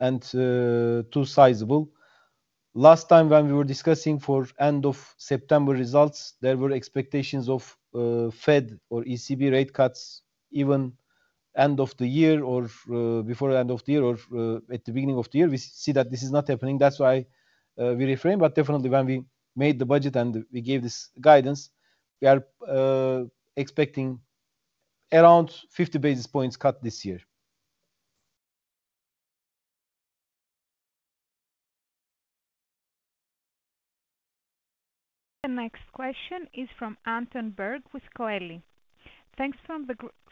and too sizable. Last time when we were discussing for end of September results, there were expectations of Fed or ECB rate cuts even end of the year or before end of the year or at the beginning of the year. We see that this is not happening. That's why we reframe. But definitely, when we made the budget and we gave this guidance, we are expecting around 50 basis points cut this year. The next question is from Anton Berg with Coeli. Thanks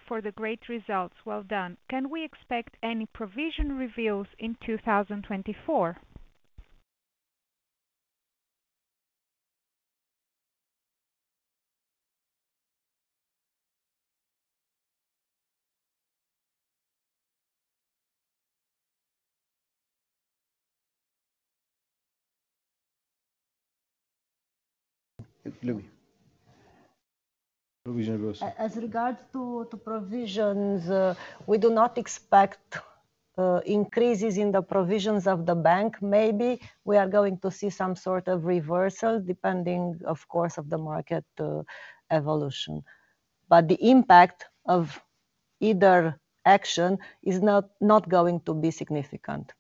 for the great results. Well done. Can we expect any provision reversals in 2024? As regards to provisions, we do not expect increases in the provisions of the bank. Maybe we are going to see some sort of reversal, depending, of course, on the market evolution. But the impact of either action is not going to be significant.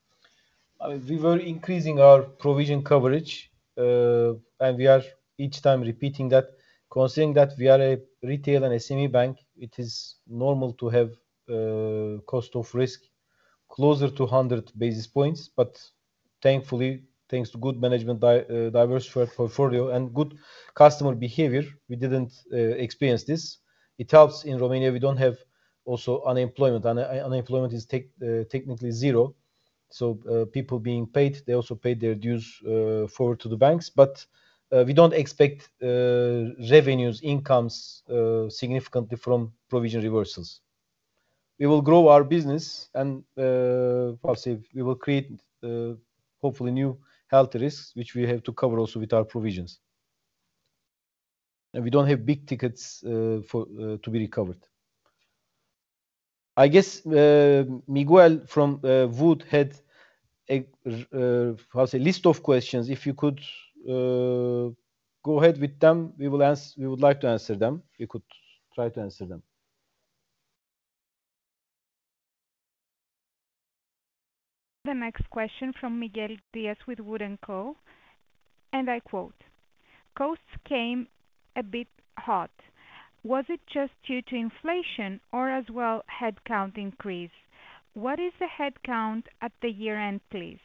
I mean, we were increasing our provision coverage, and we are each time repeating that. Considering that we are a retail and SME bank, it is normal to have cost of risk closer to 100 basis points. But thankfully, thanks to good management, diverse portfolio, and good customer behavior, we didn't experience this. It helps. In Romania, we don't have also unemployment. Unemployment is technically zero. So people being paid, they also pay their dues forward to the banks. But we don't expect revenues, incomes significantly from provision reversals. We will grow our business and, how to say, we will create, hopefully, new health risks, which we have to cover also with our provisions. We don't have big tickets to be recovered. I guess Miguel from Wood had, how to say, a list of questions. If you could go ahead with them, we would like to answer them. We could try to answer them. The next question from Miguel Dias with Wood & Co. And I quote, "Costs came a bit hot. Was it just due to inflation or as well headcount increase? What is the headcount at the year-end, please?"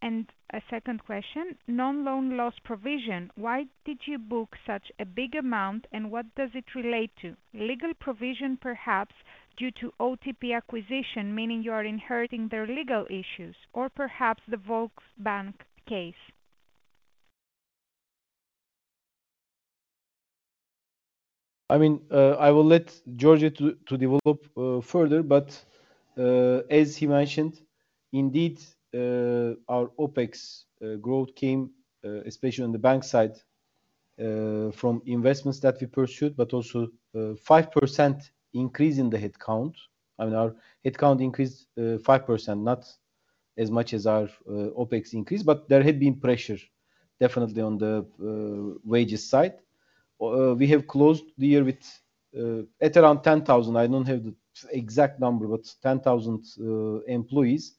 And a second question, "Non-loan loss provision, why did you book such a big amount and what does it relate to? Legal provision, perhaps, due to OTP acquisition, meaning you are inheriting their legal issues, or perhaps the Volksbank case?" I mean, I will let George to develop further. But as he mentioned, indeed, our OPEX growth came, especially on the bank side, from investments that we pursued, but also a 5% increase in the headcount. I mean, our headcount increased 5%, not as much as our OPEX increase. But there had been pressure, definitely, on the wages side. We have closed the year at around 10,000. I don't have the exact number, but 10,000 employees.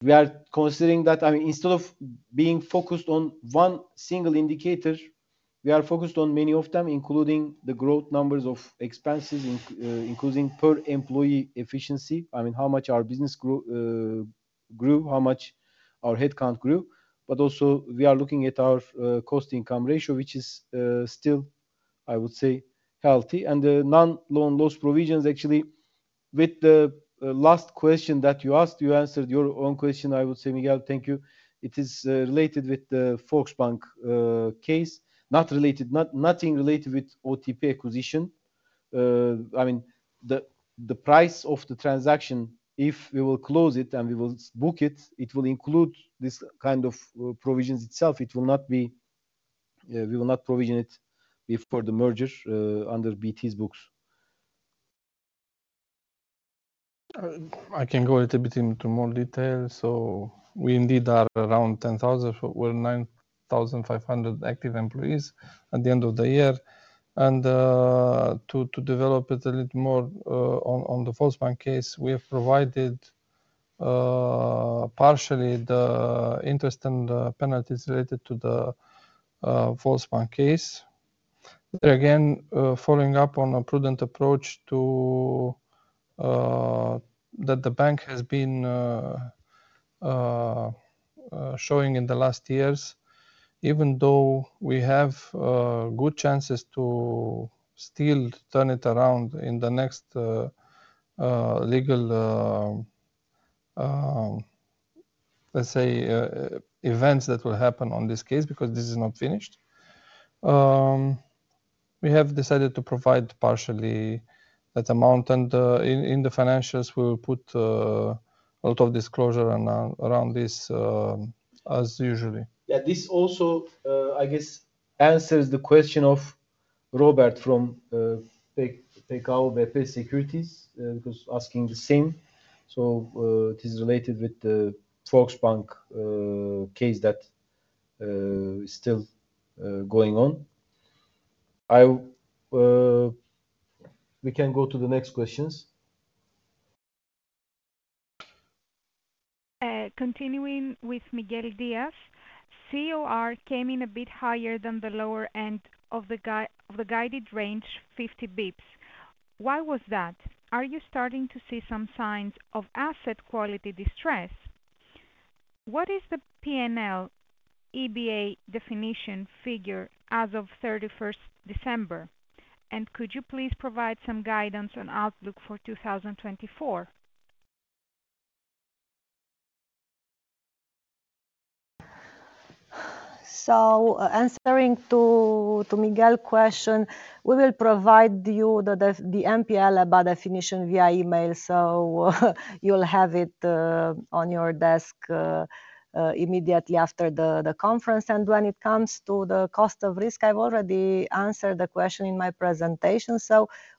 We are considering that, I mean, instead of being focused on one single indicator, we are focused on many of them, including the growth numbers of expenses, including per-employee efficiency. I mean, how much our business grew, how much our headcount grew. But also, we are looking at our cost-to-income ratio, which is still, I would say, healthy. And the non-loan loss provisions, actually, with the last question that you asked, you answered your own question, I would say, Miguel, thank you. It is related with the Volksbank case. Not related, nothing related with OTP acquisition. I mean, the price of the transaction, if we will close it and we will book it, it will include this kind of provisions itself. It will not be we will not provision it before the merger under BT's books. I can go a little bit into more detail. So we indeed are around 10,000. We're 9,500 active employees at the end of the year. And to develop it a little more on the Volksbank case, we have provided partially the interest and penalties related to the Volksbank case. Again, following up on a prudent approach that the bank has been showing in the last years, even though we have good chances to still turn it around in the next, let's say, events that will happen on this case because this is not finished, we have decided to provide partially that amount. And in the financials, we will put a lot of disclosure around this as usually. Yeah. This also, I guess, answers the question of Robert from PKO BP Securities because asking the same. So it is related with the Volksbank cas that is still going on. We can go to the next questions. Continuing with Miguel Dias, COR came in a bit higher than the lower end of the guided range, 50 basis points. Why was that? Are you starting to see some signs of asset quality distress? What is the P&L EBA definition figure as of 31st December? And could you please provide some guidance on outlook for 2024? Answering to Miguel's question, we will provide you the MPL definition via email. So you'll have it on your desk immediately after the conference. And when it comes to the cost of risk, I've already answered the question in my presentation.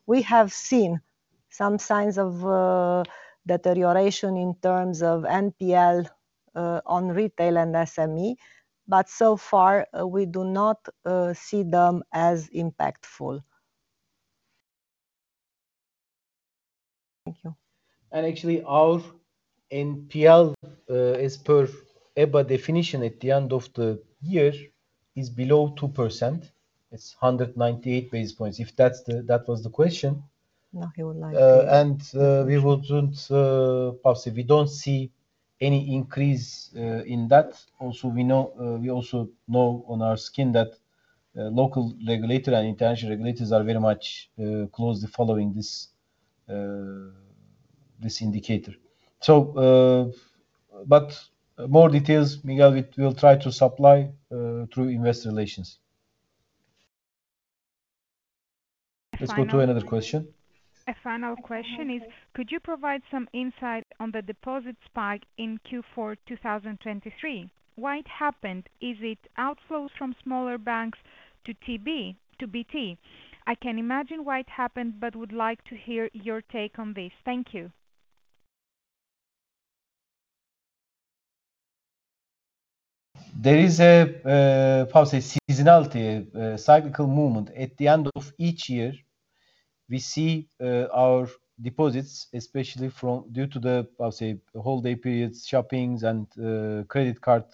We have seen some signs of deterioration in terms of NPL on retail and SME. But so far, we do not see them as impactful. Thank you. Actually, our NPL as per EBA definition at the end of the year is below 2%. It's 198 basis points. If that was the question, no, he would like to. And we wouldn't possibly we don't see any increase in that. Also, we also know on our skin that local regulator and international regulators are very much closely following this indicator. But more details, Miguel, we will try to supply through investor relations. Let's go to another question. A final question is, could you provide some insight on the deposit spike in Q4 2023? Why it happened? Is it outflows from smaller banks to BT? I can imagine why it happened but would like to hear your take on this. Thank you. There is a, how to say, seasonality, a cyclical movement. At the end of each year, we see our deposits, especially due to the, how to say, holiday periods, shopping, and credit card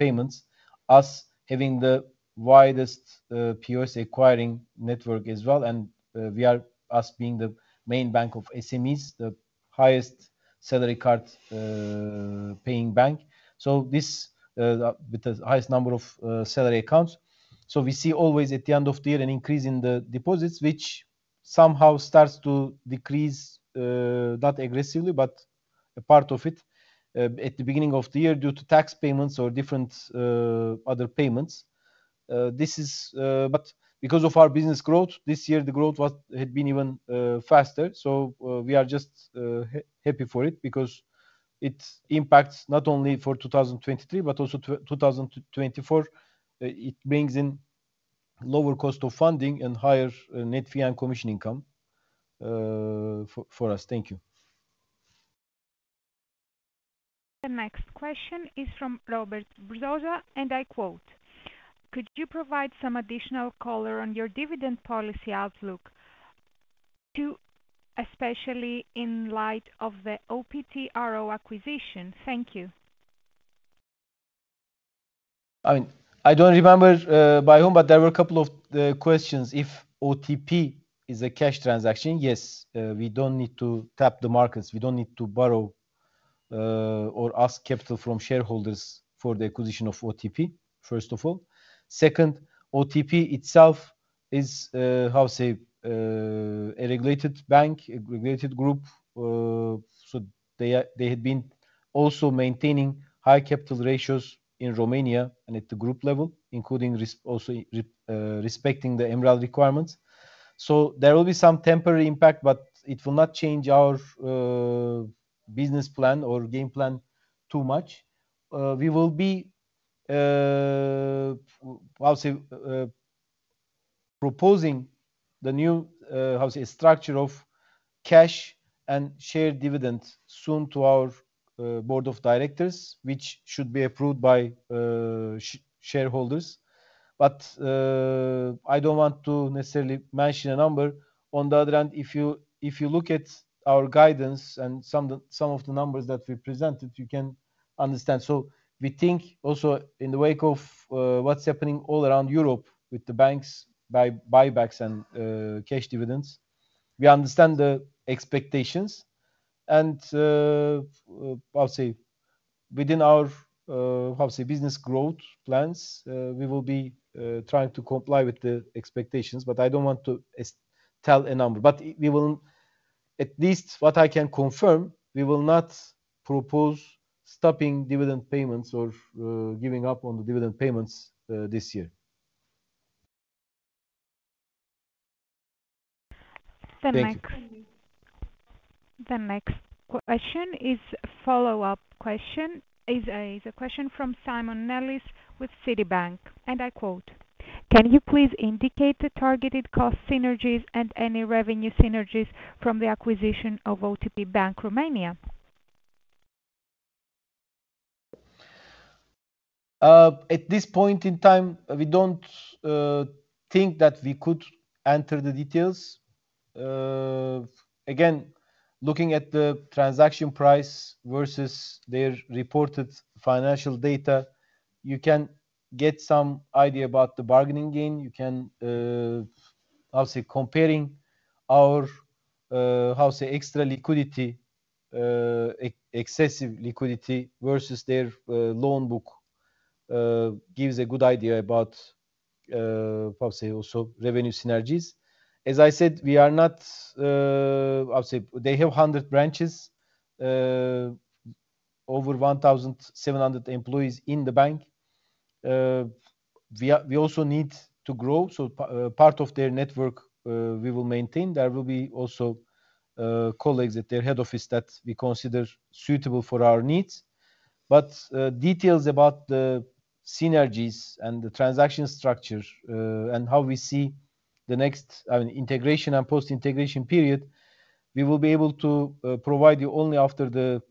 payments, us having the widest POS acquiring network as well. And we are us being the main bank of SMEs, the highest salary card-paying bank, so with the highest number of salary accounts. We see always at the end of the year an increase in the deposits, which somehow starts to decrease not aggressively, but a part of it, at the beginning of the year due to tax payments or different other payments. But because of our business growth, this year, the growth had been even faster. We are just happy for it because it impacts not only for 2023 but also 2024. It brings in lower cost of funding and higher net fee and commission income for us. Thank you. The next question is from Robert Brzoza. I quote, "Could you provide some additional color on your dividend policy outlook, especially in light of the OTP RO acquisition?" Thank you. I mean, I don't remember by whom, but there were a couple of questions. If OTP is a cash transaction, yes, we don't need to tap the markets. We don't need to borrow or ask capital from shareholders for the acquisition of OTP, first of all. Second, OTP itself is, how to say, a regulated bank, a regulated group. So they had been also maintaining high capital ratios in Romania and at the group level, also respecting the MREL requirements. So there will be some temporary impact, but it will not change our business plan or game plan too much. We will be, how to say, proposing the new, how to say, structure of cash and shared dividends soon to our board of directors, which should be approved by shareholders. But I don't want to necessarily mention a number. On the other hand, if you look at our guidance and some of the numbers that we presented, you can understand. So we think also in the wake of what's happening all around Europe with the banks' buybacks and cash dividends, we understand the expectations. And, how to say, within our, how to say, business growth plans, we will be trying to comply with the expectations. But I don't want to tell a number. But at least what I can confirm, we will not propose stopping dividend payments or giving up on the dividend payments this year. The next question is a follow-up question. It's a question from Simon Nellis with Citibank. And I quote, "Can you please indicate the targeted cost synergies and any revenue synergies from the acquisition of OTP Bank Romania?" At this point in time, we don't think that we could enter the details. Again, looking at the transaction price versus their reported financial data, you can get some idea about the bargaining gain. You can, how to say, comparing our, how to say, extra liquidity, excessive liquidity versus their loan book gives a good idea about, how to say, also revenue synergies. As I said, we are not, how to say, they have 100 branches, over 1,700 employees in the bank. We also need to grow. So part of their network, we will maintain. There will be also colleagues at their head office that we consider suitable for our needs. But details about the synergies and the transaction structure and how we see the next, I mean, integration and post-integration period, we will be able to provide you only after the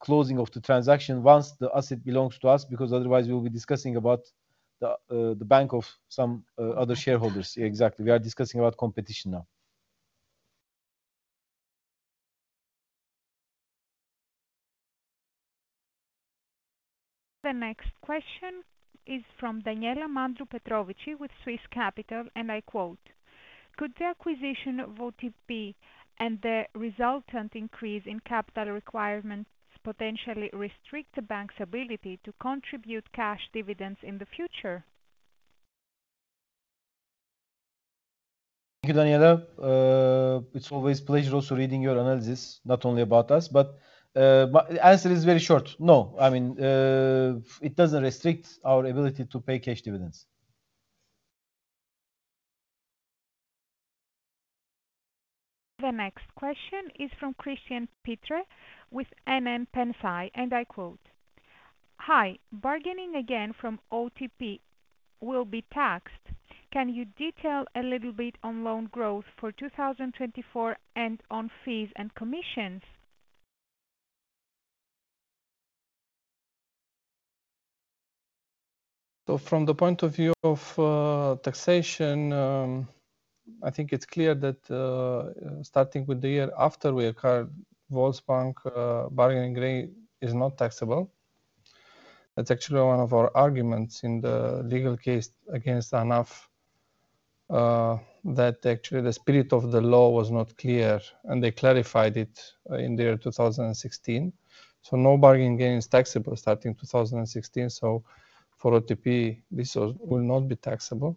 closing of the transaction once the asset belongs to us because otherwise, we will be discussing about the bank of some other shareholders. Exactly. We are discussing about competition now. The next question is from Daniela Mandru Petrovici with Swiss Capital. And I quote, "Could the acquisition of OTP and the resultant increase in capital requirements potentially restrict the bank's ability to contribute cash dividends in the future?" Thank you, Daniela. It's always a pleasure also reading your analysis, not only about us. But the answer is very short. No. I mean, it doesn't restrict our ability to pay cash dividends. The next question is from Cristian Petre with NN Pensii. And I quote, "Hi, bargain gain from OTP will be taxed. Can you detail a little bit on loan growth for 2024 and on fees and commissions?" So from the point of view of taxation, I think it's clear that starting with the year after we acquired Volksbank, bargain gain is not taxable. That's actually one of our arguments in the legal case against ANAF that actually the spirit of the law was not clear, and they clarified it in the year 2016. So no bargaining gain is taxable starting 2016. So for OTP, this will not be taxable.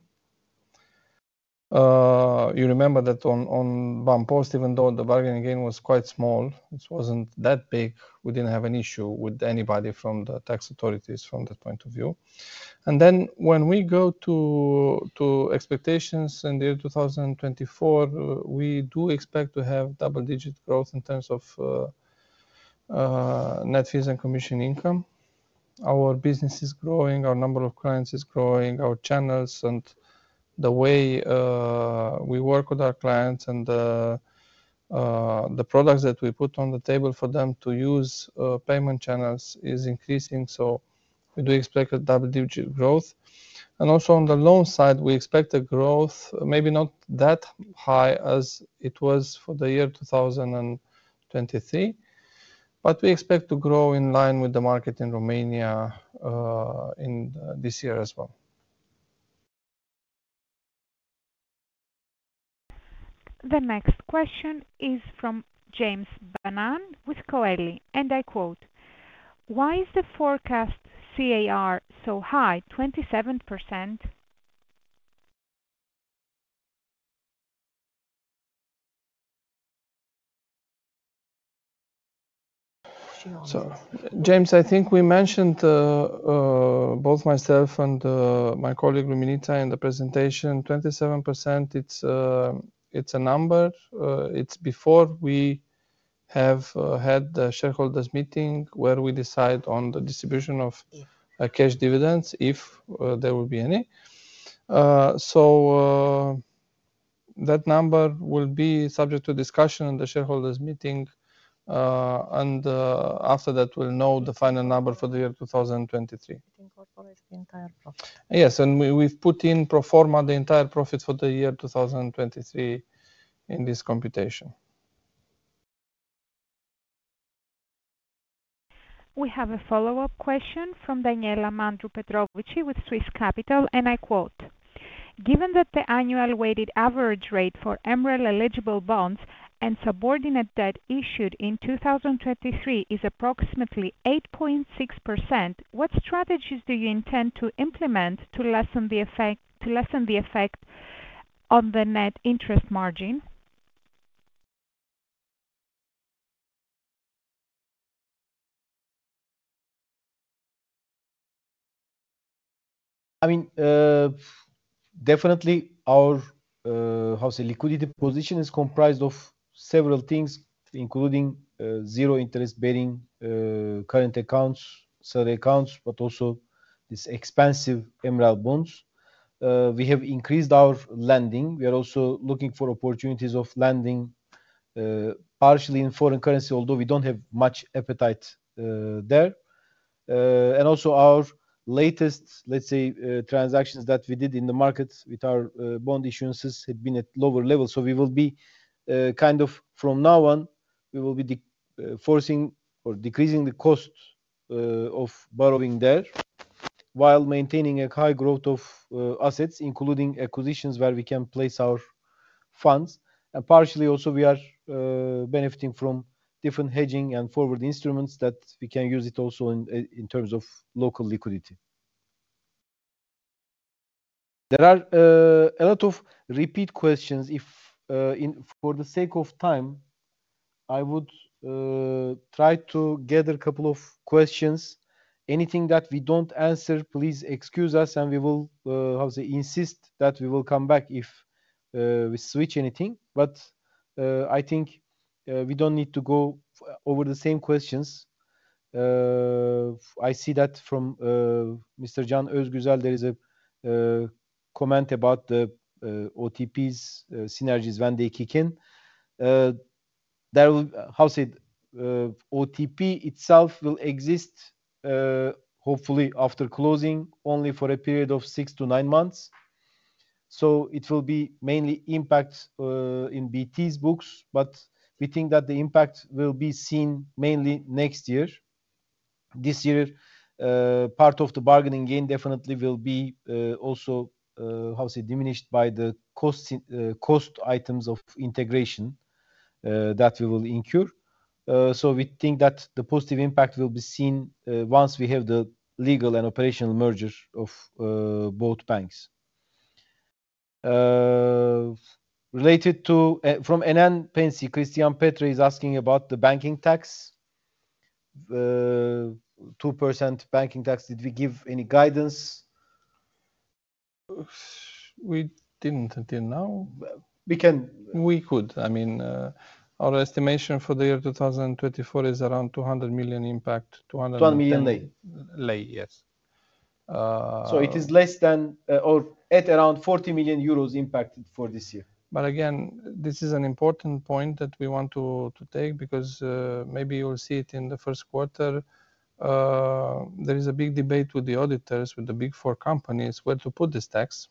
You remember that on Bancpost, even though the bargaining gain was quite small, it wasn't that big. We didn't have an issue with anybody from the tax authorities from that point of view. And then when we go to expectations in the year 2024, we do expect to have double-digit growth in terms of net fees and commission income. Our business is growing. Our number of clients is growing. Our channels and the way we work with our clients and the products that we put on the table for them to use payment channels is increasing. So we do expect a double-digit growth. Also on the loan side, we expect a growth maybe not that high as it was for the year 2023. But we expect to grow in line with the market in Romania this year as well. The next question is from James Bannan with Coeli. And I quote, "Why is the forecast CAR so high, 27%?" So James, I think we mentioned both myself and my colleague, Luminița, in the presentation, 27%. It's a number. It's before we have had the shareholders' meeting where we decide on the distribution of cash dividends if there will be any. So that number will be subject to discussion in the Shareholders' Meeting. And after that, we'll know the final number for the year 2023. It incorporates the entire profit. Yes. And we've put in pro forma the entire profit for the year 2023 in this computation. We have a follow-up question from Daniela Mandru Petrovici with Swiss Capital. And I quote, "Given that the annual weighted average rate for MREL eligible bonds and subordinate debt issued in 2023 is approximately 8.6%, what strategies do you intend to implement to lessen the effect on the net interest margin?" I mean, definitely, our, how to say, liquidity position is comprised of several things, including zero-interest-bearing current accounts, salary accounts, but also these expensive MREL bonds. We have increased our lending. We are also looking for opportunities of lending partially in foreign currency, although we don't have much appetite there. And also our latest, let's say, transactions that we did in the market with our bond issuances had been at lower levels. So we will be kind of from now on, we will be forcing or decreasing the cost of borrowing there while maintaining a high growth of assets, including acquisitions where we can place our funds. And partially also, we are benefiting from different hedging and forward instruments that we can use also in terms of local liquidity. There are a lot of repeat questions. For the sake of time, I would try to gather a couple of questions. Anything that we don't answer, please excuse us. And we will, how to say, insist that we will come back if we switch anything. But I think we don't need to go over the same questions. I see that from Mr. Can Özgüzel, there is a comment about the OTP's synergies when they kick in. How to say, OTP itself will exist, hopefully, after closing only for a period of six to nine months. So it will be mainly impact in BT's books. But we think that the impact will be seen mainly next year. This year, part of the bargaining gain definitely will be also, how to say, diminished by the cost items of integration that we will incur. So we think that the positive impact will be seen once we have the legal and operational merger of both banks. Related to from NN Pensii, Christian Petre is asking about the banking tax, 2% banking tax. Did we give any guidance? We didn't until now. We could. I mean, our estimation for the year 2024 is around RON 200 million impact, RON 200 million. RON 200 million lei. Lei, yes. So it is less than or at around 40 million euros impacted for this year. But again, this is an important point that we want to take because maybe you'll see it in the first quarter. There is a big debate with the auditors, with the Big Four companies, where to put this tax.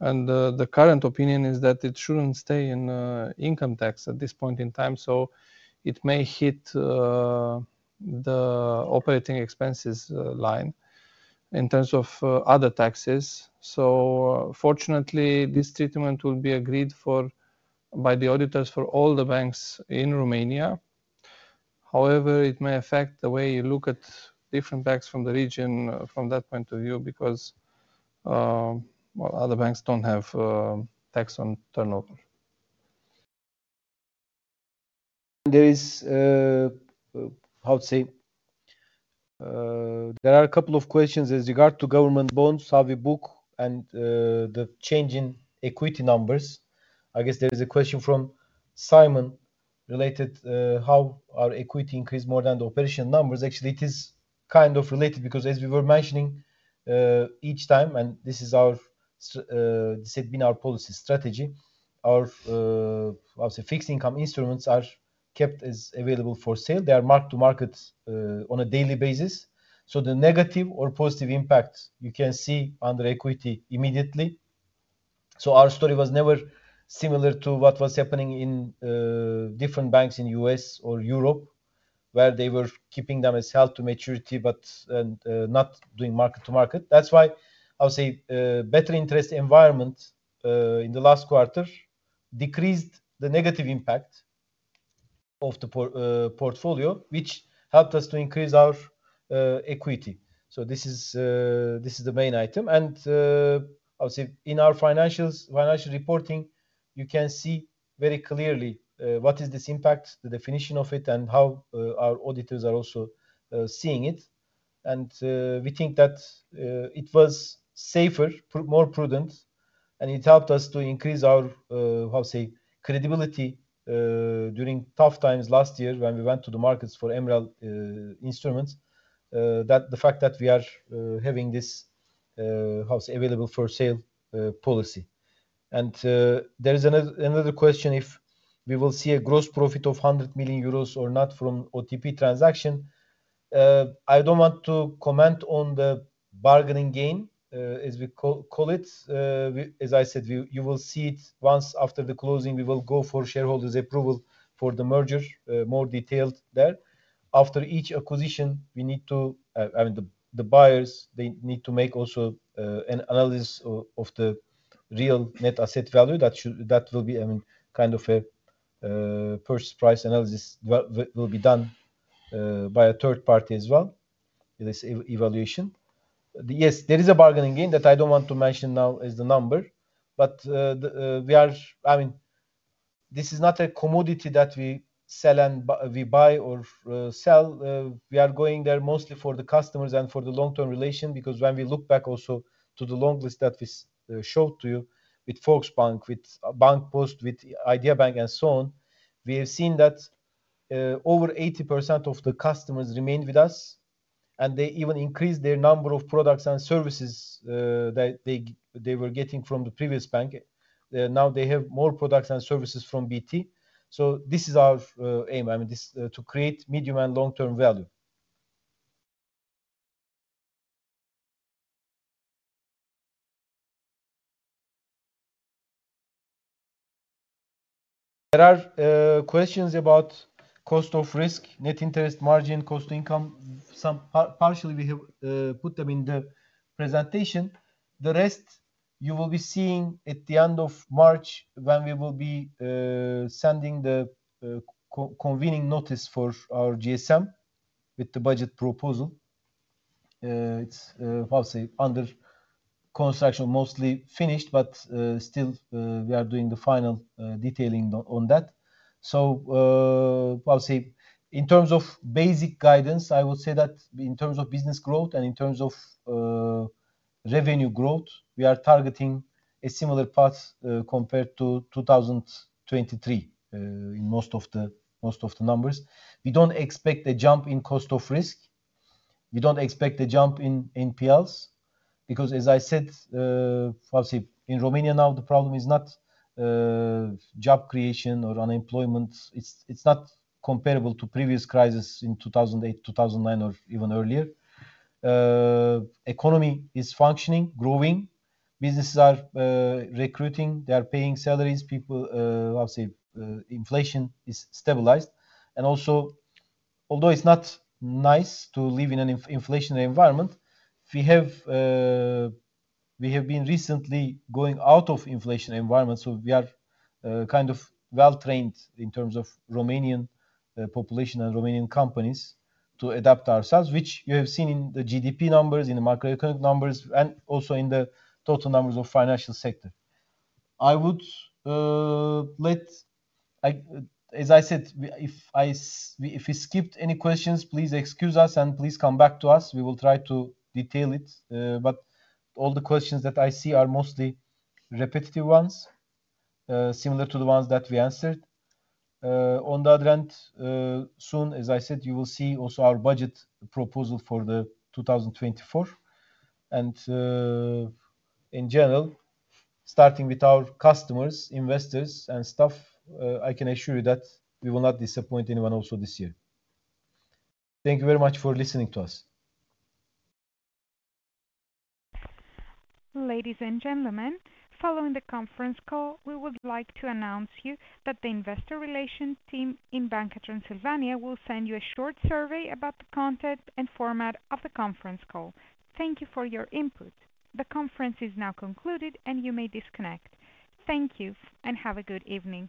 And the current opinion is that it shouldn't stay in income tax at this point in time. So it may hit the operating expenses line in terms of other taxes. So fortunately, this treatment will be agreed by the auditors for all the banks in Romania. However, it may affect the way you look at different banks from the region from that point of view because, well, other banks don't have tax on turnover. And there is, how to say, there are a couple of questions with regard to government bonds, savvy book, and the change in equity numbers. I guess there is a question from Simon related to how our equity increased more than the operational numbers. Actually, it is kind of related because, as we were mentioning each time, and this has been our policy strategy, our, how to say, fixed income instruments are kept as available for sale. They are marked to market on a daily basis. So the negative or positive impact, you can see under equity immediately. So our story was never similar to what was happening in different banks in the US or Europe where they were keeping them as held to maturity but not doing market-to-market. That's why, I would say, a better interest environment in the last quarter decreased the negative impact of the portfolio, which helped us to increase our equity. So this is the main item. I would say, in our financial reporting, you can see very clearly what is this impact, the definition of it, and how our auditors are also seeing it. We think that it was safer, more prudent. It helped us to increase our, how to say, credibility during tough times last year when we went to the markets for MREL instruments, the fact that we are having this, how to say, available for sale policy. There is another question if we will see a gross profit of 100 million euros or not from OTP transaction. I don't want to comment on the bargaining gain, as we call it. As I said, you will see it once after the closing. We will go for shareholders' approval for the merger, more detailed there. After each acquisition, we need to, I mean, the buyers, they need to make also an analysis of the real net asset value. That will be, I mean, kind of a purchase price analysis will be done by a third party as well, this evaluation. Yes, there is a bargaining gain that I don't want to mention now as the number. But we are, I mean, this is not a commodity that we sell and we buy or sell. We are going there mostly for the customers and for the long-term relation because when we look back also to the long list that we showed to you with Volksbank, with Bancpost, with Idea::Bank, and so on, we have seen that over 80% of the customers remained with us. And they even increased their number of products and services that they were getting from the previous bank. Now they have more products and services from BT. So this is our aim, I mean, to create medium and long-term value. There are questions about cost of risk, net interest margin, cost of income. Partially, we have put them in the presentation. The rest, you will be seeing at the end of March when we will be sending the convening notice for our GSM with the budget proposal. It's, how to say, under construction, mostly finished, but still we are doing the final detailing on that. So, how to say, in terms of basic guidance, I would say that in terms of business growth and in terms of revenue growth, we are targeting a similar path compared to 2023 in most of the numbers. We don't expect a jump in cost of risk. We don't expect a jump in NPLs because, as I said, how to say, in Romania now, the problem is not job creation or unemployment. It's not comparable to previous crises in 2008, 2009, or even earlier. Economy is functioning, growing. Businesses are recruiting. They are paying salaries. People, how to say, inflation is stabilized. And also, although it's not nice to live in an inflationary environment, we have been recently going out of inflationary environments. So we are kind of well-trained in terms of Romanian population and Romanian companies to adapt ourselves, which you have seen in the GDP numbers, in the macroeconomic numbers, and also in the total numbers of financial sector. I would let, as I said, if we skipped any questions, please excuse us. And please come back to us. We will try to detail it. All the questions that I see are mostly repetitive ones, similar to the ones that we answered. On the other hand, soon, as I said, you will see also our budget proposal for 2024. In general, starting with our customers, investors, and staff, I can assure you that we will not disappoint anyone also this year. Thank you very much for listening to us. Ladies and gentlemen, following the conference call, we would like to announce to you that the investor relations team in Banca Transilvania will send you a short survey about the content and format of the conference call. Thank you for your input. The conference is now concluded, and you may disconnect. Thank you, and have a good evening.